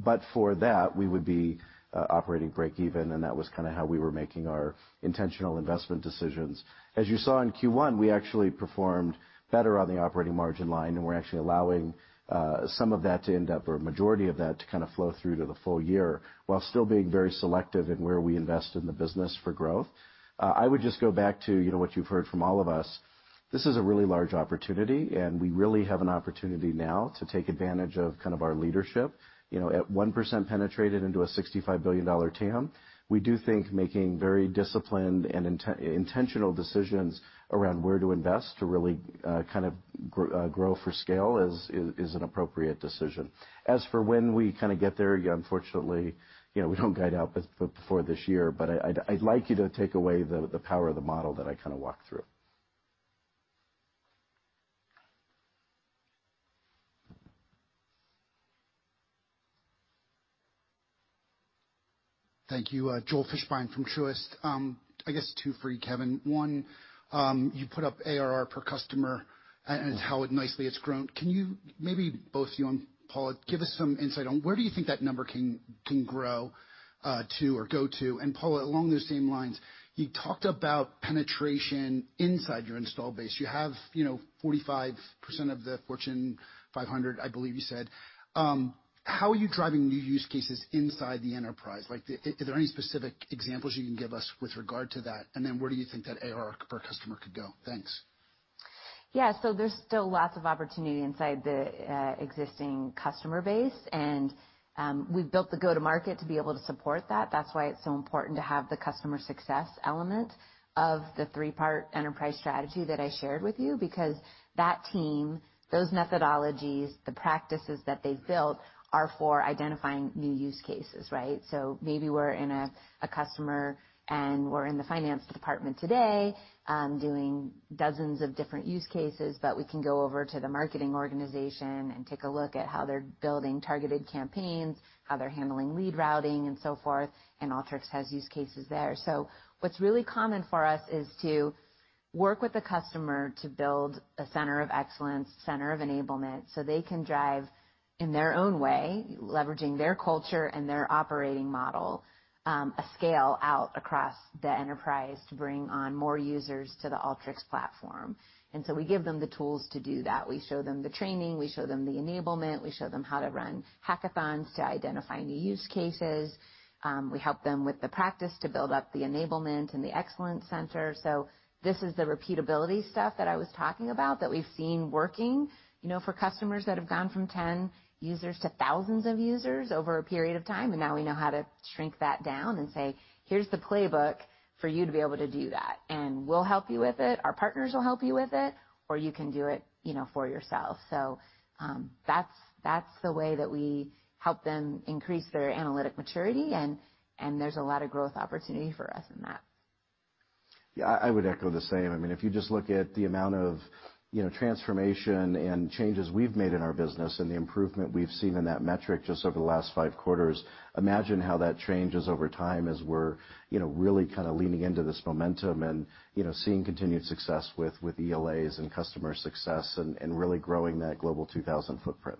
But for that, we would be operating break-even, and that was kinda how we were making our intentional investment decisions. As you saw in Q1, we actually performed better on the operating margin line, and we're actually allowing some of that, or a majority of that, to kind of flow through to the full year while still being very selective in where we invest in the business for growth. I would just go back to, you know, what you've heard from all of us. This is a really large opportunity, and we really have an opportunity now to take advantage of kind of our leadership. You know, at 1% penetrated into a $65 billion TAM, we do think making very disciplined and intentional decisions around where to invest to really kind of grow for scale is an appropriate decision. As for when we kinda get there, unfortunately, you know, we don't guide out before this year, but I'd like you to take away the power of the model that I kinda walked through. Thank you. Joel Fishbein from Truist. I guess two for you, Kevin. One, you put up ARR per customer and how nicely it's grown. Can you maybe both you and Paula give us some insight on where do you think that number can grow to or go to? Paula, along those same lines, you talked about penetration inside your install base. You have, you know, 45% of the Fortune 500, I believe you said. How are you driving new use cases inside the enterprise? Like, are there any specific examples you can give us with regard to that? Where do you think that ARR per customer could go? Thanks. Yeah. There's still lots of opportunity inside the existing customer base, and we've built the go-to-market to be able to support that. That's why it's so important to have the customer success element of the three-part enterprise strategy that I shared with you because that team, those methodologies, the practices that they've built are for identifying new use cases, right? Maybe we're in a customer, and we're in the finance department today doing dozens of different use cases, but we can go over to the marketing organization and take a look at how they're building targeted campaigns, how they're handling lead routing and so forth, and Alteryx has use cases there. What's really common for us is to work with the customer to build a center of excellence, center of enablement, so they can drive in their own way, leveraging their culture and their operating model, a scale out across the enterprise to bring on more users to the Alteryx platform. We give them the tools to do that. We show them the training, we show them the enablement, we show them how to run hackathons to identify new use cases. We help them with the practice to build up the enablement and the excellence center. This is the repeatability stuff that I was talking about that we've seen working, you know, for customers that have gone from 10 users to thousands of users over a period of time, and now we know how to shrink that down and say, "Here's the playbook for you to be able to do that. We'll help you with it, our partners will help you with it, or you can do it, you know, for yourself." That's the way that we help them increase their analytic maturity and there's a lot of growth opportunity for us in that. Yeah, I would echo the same. I mean, if you just look at the amount of, you know, transformation and changes we've made in our business and the improvement we've seen in that metric just over the last five quarters, imagine how that changes over time as we're, you know, really kind of leaning into this momentum and, you know, seeing continued success with ELAs and customer success and really growing that Global 2000 footprint.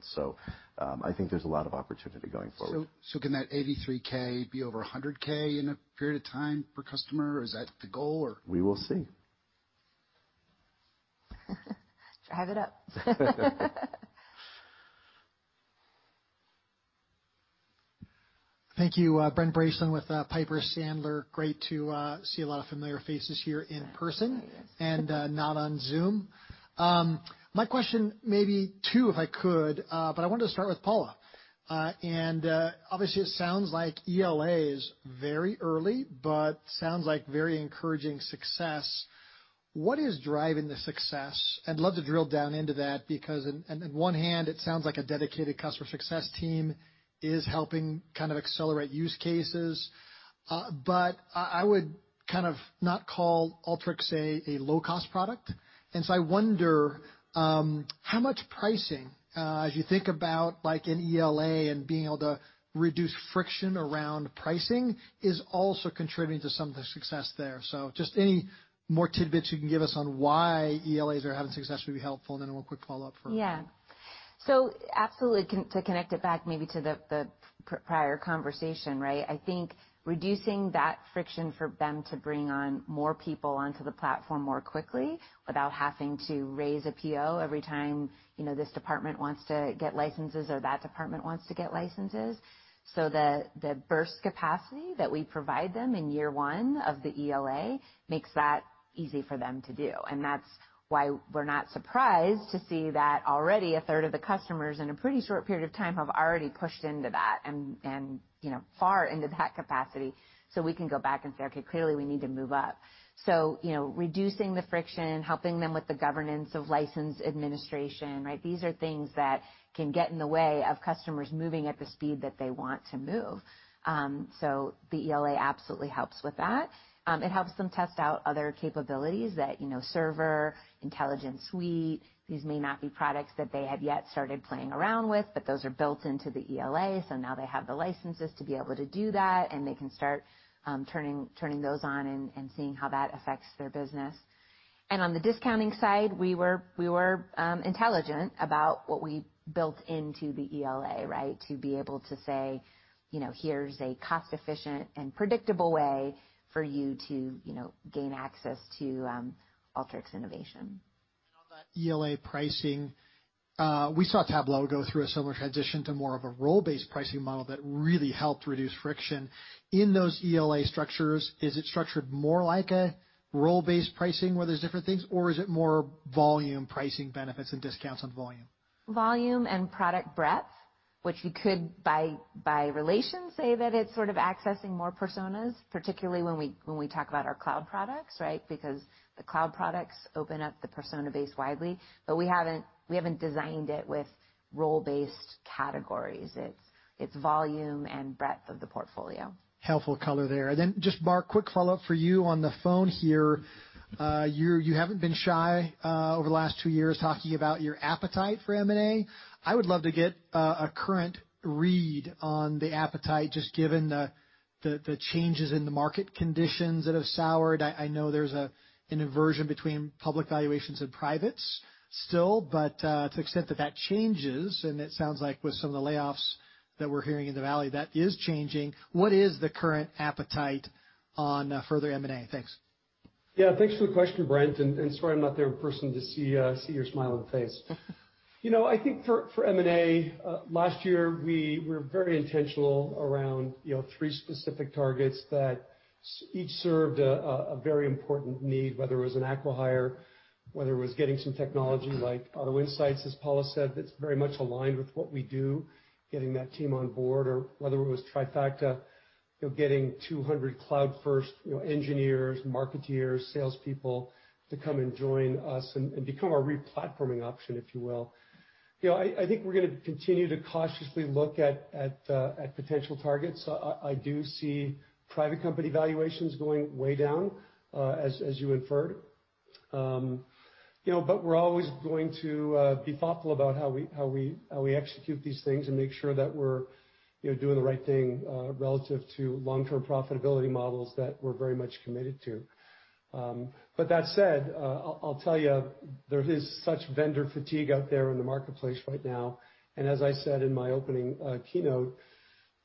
I think there's a lot of opportunity going forward. Can that $83K be over $100K in a period of time per customer? Is that the goal or? We will see. Drive it up. Thank you. Brent Bracelin with Piper Sandler. Great to see a lot of familiar faces here in person. Yes. Not on Zoom. My question may be two, if I could, but I wanted to start with Paula. Obviously, it sounds like ELA is very early, but sounds like very encouraging success. What is driving the success? I'd love to drill down into that because on one hand it sounds like a dedicated customer success team is helping kind of accelerate use cases. I would kind of not call Alteryx a low-cost product. I wonder how much pricing, as you think about like an ELA and being able to reduce friction around pricing, is also contributing to some of the success there? Just any more tidbits you can give us on why ELAs are having success would be helpful, and then one quick follow-up for Kevin. Absolutely, to connect it back maybe to the prior conversation, right? I think reducing that friction for them to bring on more people onto the platform more quickly without having to raise a PO every time, you know, this department wants to get licenses or that department wants to get licenses. The burst capacity that we provide them in year one of the ELA makes that easy for them to do. That's why we're not surprised to see that already a third of the customers in a pretty short period of time have already pushed into that and you know, far into that capacity. We can go back and say, "Okay, clearly we need to move up." You know, reducing the friction, helping them with the governance of license administration, right? These are things that can get in the way of customers moving at the speed that they want to move. So the ELA absolutely helps with that. It helps them test out other capabilities that, you know, Server, Intelligence Suite. These may not be products that they have yet started playing around with, but those are built into the ELA, so now they have the licenses to be able to do that, and they can start turning those on and seeing how that affects their business. On the discounting side, we were intelligent about what we built into the ELA, right? To be able to say, you know, "Here's a cost efficient and predictable way for you to, you know, gain access to Alteryx innovation. On that ELA pricing, we saw Tableau go through a similar transition to more of a role-based pricing model that really helped reduce friction. In those ELA structures, is it structured more like a role-based pricing where there's different things, or is it more volume pricing benefits and discounts on volume? Volume and product breadth, which you could, by relation, say that it's sort of accessing more personas, particularly when we talk about our cloud products, right? Because the cloud products open up the persona base widely. We haven't designed it with role-based categories. It's volume and breadth of the portfolio. Helpful color there. Just Mark, quick follow-up for you on the phone here. You haven't been shy over the last two years talking about your appetite for M&A. I would love to get a current read on the appetite, just given the changes in the market conditions that have soured. I know there's an aversion between public valuations and privates still, but to the extent that that changes, and it sounds like with some of the layoffs that we're hearing in the Valley, that is changing. What is the current appetite on further M&A? Thanks. Yeah, thanks for the question, Brent, and sorry I'm not there in person to see your smile and face. You know, I think for M&A, last year we were very intentional around, you know, 3 specific targets that each served a very important need, whether it was an acqui-hire, whether it was getting some technology like Auto Insights, as Paula said, that's very much aligned with what we do, getting that team on board. Or whether it was Trifacta, you know, getting 200 cloud-first, you know, engineers, marketers, salespeople to come and join us and become our re-platforming option, if you will. You know, I think we're gonna continue to cautiously look at potential targets. I do see private company valuations going way down, as you inferred. You know, we're always going to be thoughtful about how we execute these things and make sure that we're, you know, doing the right thing relative to long-term profitability models that we're very much committed to. That said, I'll tell you, there is such vendor fatigue out there in the marketplace right now. As I said in my opening keynote,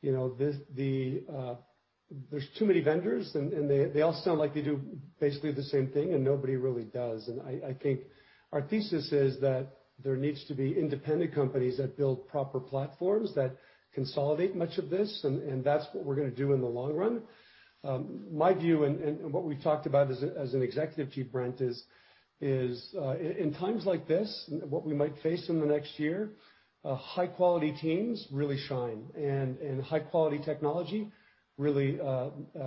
you know, there's too many vendors and they all sound like they do basically the same thing, and nobody really does. I think our thesis is that there needs to be independent companies that build proper platforms that consolidate much of this, and that's what we're gonna do in the long run. My view and what we've talked about as an executive team, Brent, is in times like this, what we might face in the next year, high-quality teams really shine and high-quality technology really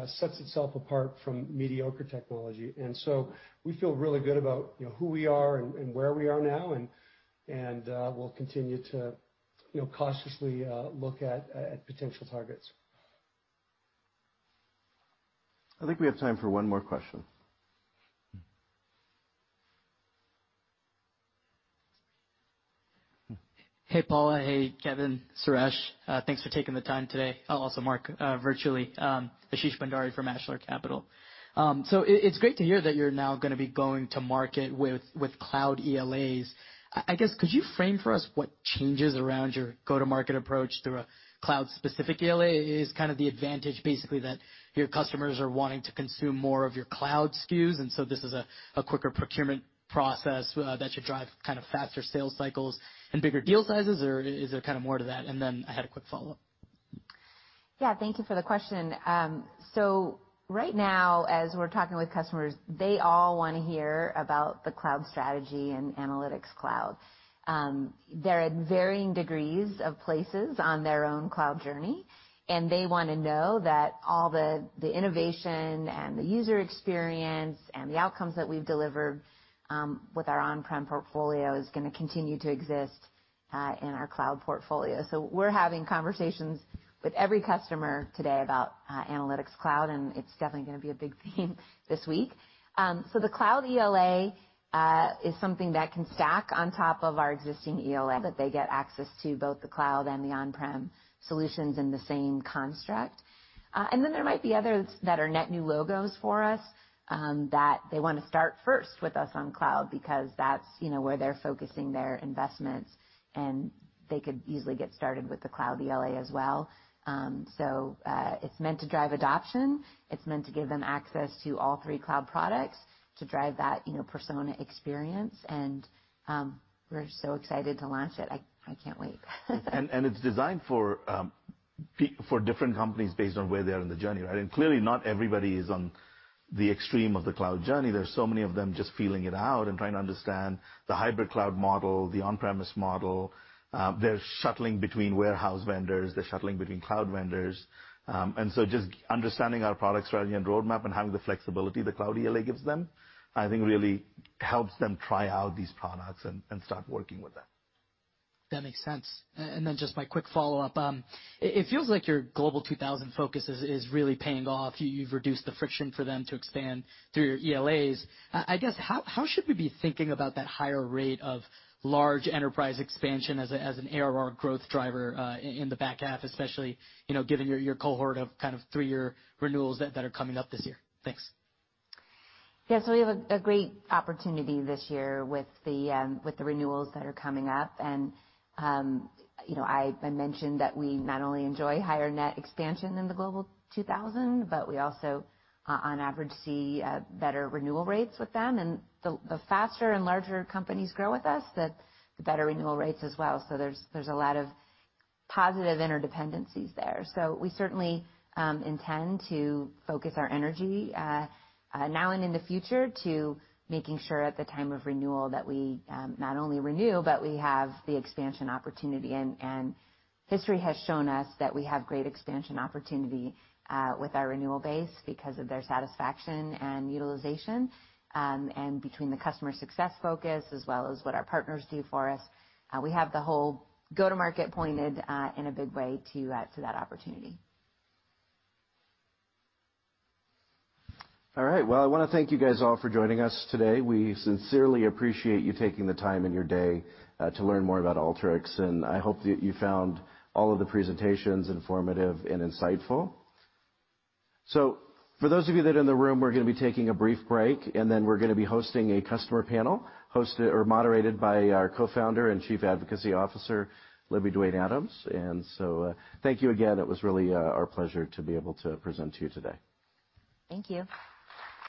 sets itself apart from mediocre technology. We feel really good about, you know, who we are and where we are now, and we'll continue to, you know, cautiously look at potential targets. I think we have time for one more question. Hey, Paula. Hey, Kevin, Suresh. Thanks for taking the time today. Also Mark, virtually. Ashish Bhandari from Ashler Capital. It's great to hear that you're now gonna be going to market with cloud ELAs. I guess, could you frame for us what changes around your go-to-market approach through a cloud-specific ELA? Is kind of the advantage basically that your customers are wanting to consume more of your cloud SKUs, and so this is a quicker procurement process that should drive kind of faster sales cycles and bigger deal sizes, or is there kind of more to that? Then I had a quick follow-up. Yeah. Thank you for the question. Right now, as we're talking with customers, they all wanna hear about the cloud strategy and analytics cloud. They're at varying degrees of places on their own cloud journey, and they wanna know that all the innovation and the user experience and the outcomes that we've delivered with our on-prem portfolio is gonna continue to exist in our cloud portfolio. We're having conversations with every customer today about analytics cloud, and it's definitely gonna be a big theme this week. The cloud ELA is something that can stack on top of our existing ELA, that they get access to both the cloud and the on-prem solutions in the same construct. There might be others that are net new logos for us, that they wanna start first with us on cloud because that's, you know, where they're focusing their investments, and they could easily get started with the cloud ELA as well. It's meant to drive adoption. It's meant to give them access to all three cloud products to drive that, you know, persona experience, and we're so excited to launch it. I can't wait. It's designed for different companies based on where they are in the journey, right? Clearly, not everybody is on the extreme of the cloud journey. There's so many of them just feeling it out and trying to understand the hybrid cloud model, the on-premise model. They're shuttling between warehouse vendors, they're shuttling between cloud vendors. Just understanding our product strategy and roadmap and having the flexibility the cloud ELA gives them, I think really helps them try out these products and start working with them. That makes sense. Just my quick follow-up. It feels like your Global 2000 focus is really paying off. You've reduced the friction for them to expand through your ELAs. I guess how should we be thinking about that higher rate of large enterprise expansion as an ARR growth driver in the back half, especially given your cohort of kind of three-year renewals that are coming up this year? Thanks. Yeah. We have a great opportunity this year with the renewals that are coming up. You know, I mentioned that we not only enjoy higher net expansion in the Global 2000, but we also on average see better renewal rates with them. The faster and larger companies grow with us, the better renewal rates as well. There's a lot of positive interdependencies there. We certainly intend to focus our energy now and in the future to making sure at the time of renewal that we not only renew, but we have the expansion opportunity. History has shown us that we have great expansion opportunity with our renewal base because of their satisfaction and utilization. Between the customer success focus as well as what our partners do for us, we have the whole go-to-market pointed in a big way to that opportunity. All right. Well, I wanna thank you guys all for joining us today. We sincerely appreciate you taking the time in your day to learn more about Alteryx, and I hope that you found all of the presentations informative and insightful. For those of you that are in the room, we're gonna be taking a brief break, and then we're gonna be hosting a customer panel hosted or moderated by our Co-founder and Chief Advocacy Officer, Olivia Duane Adams. Thank you again. It was really our pleasure to be able to present to you today. Thank you.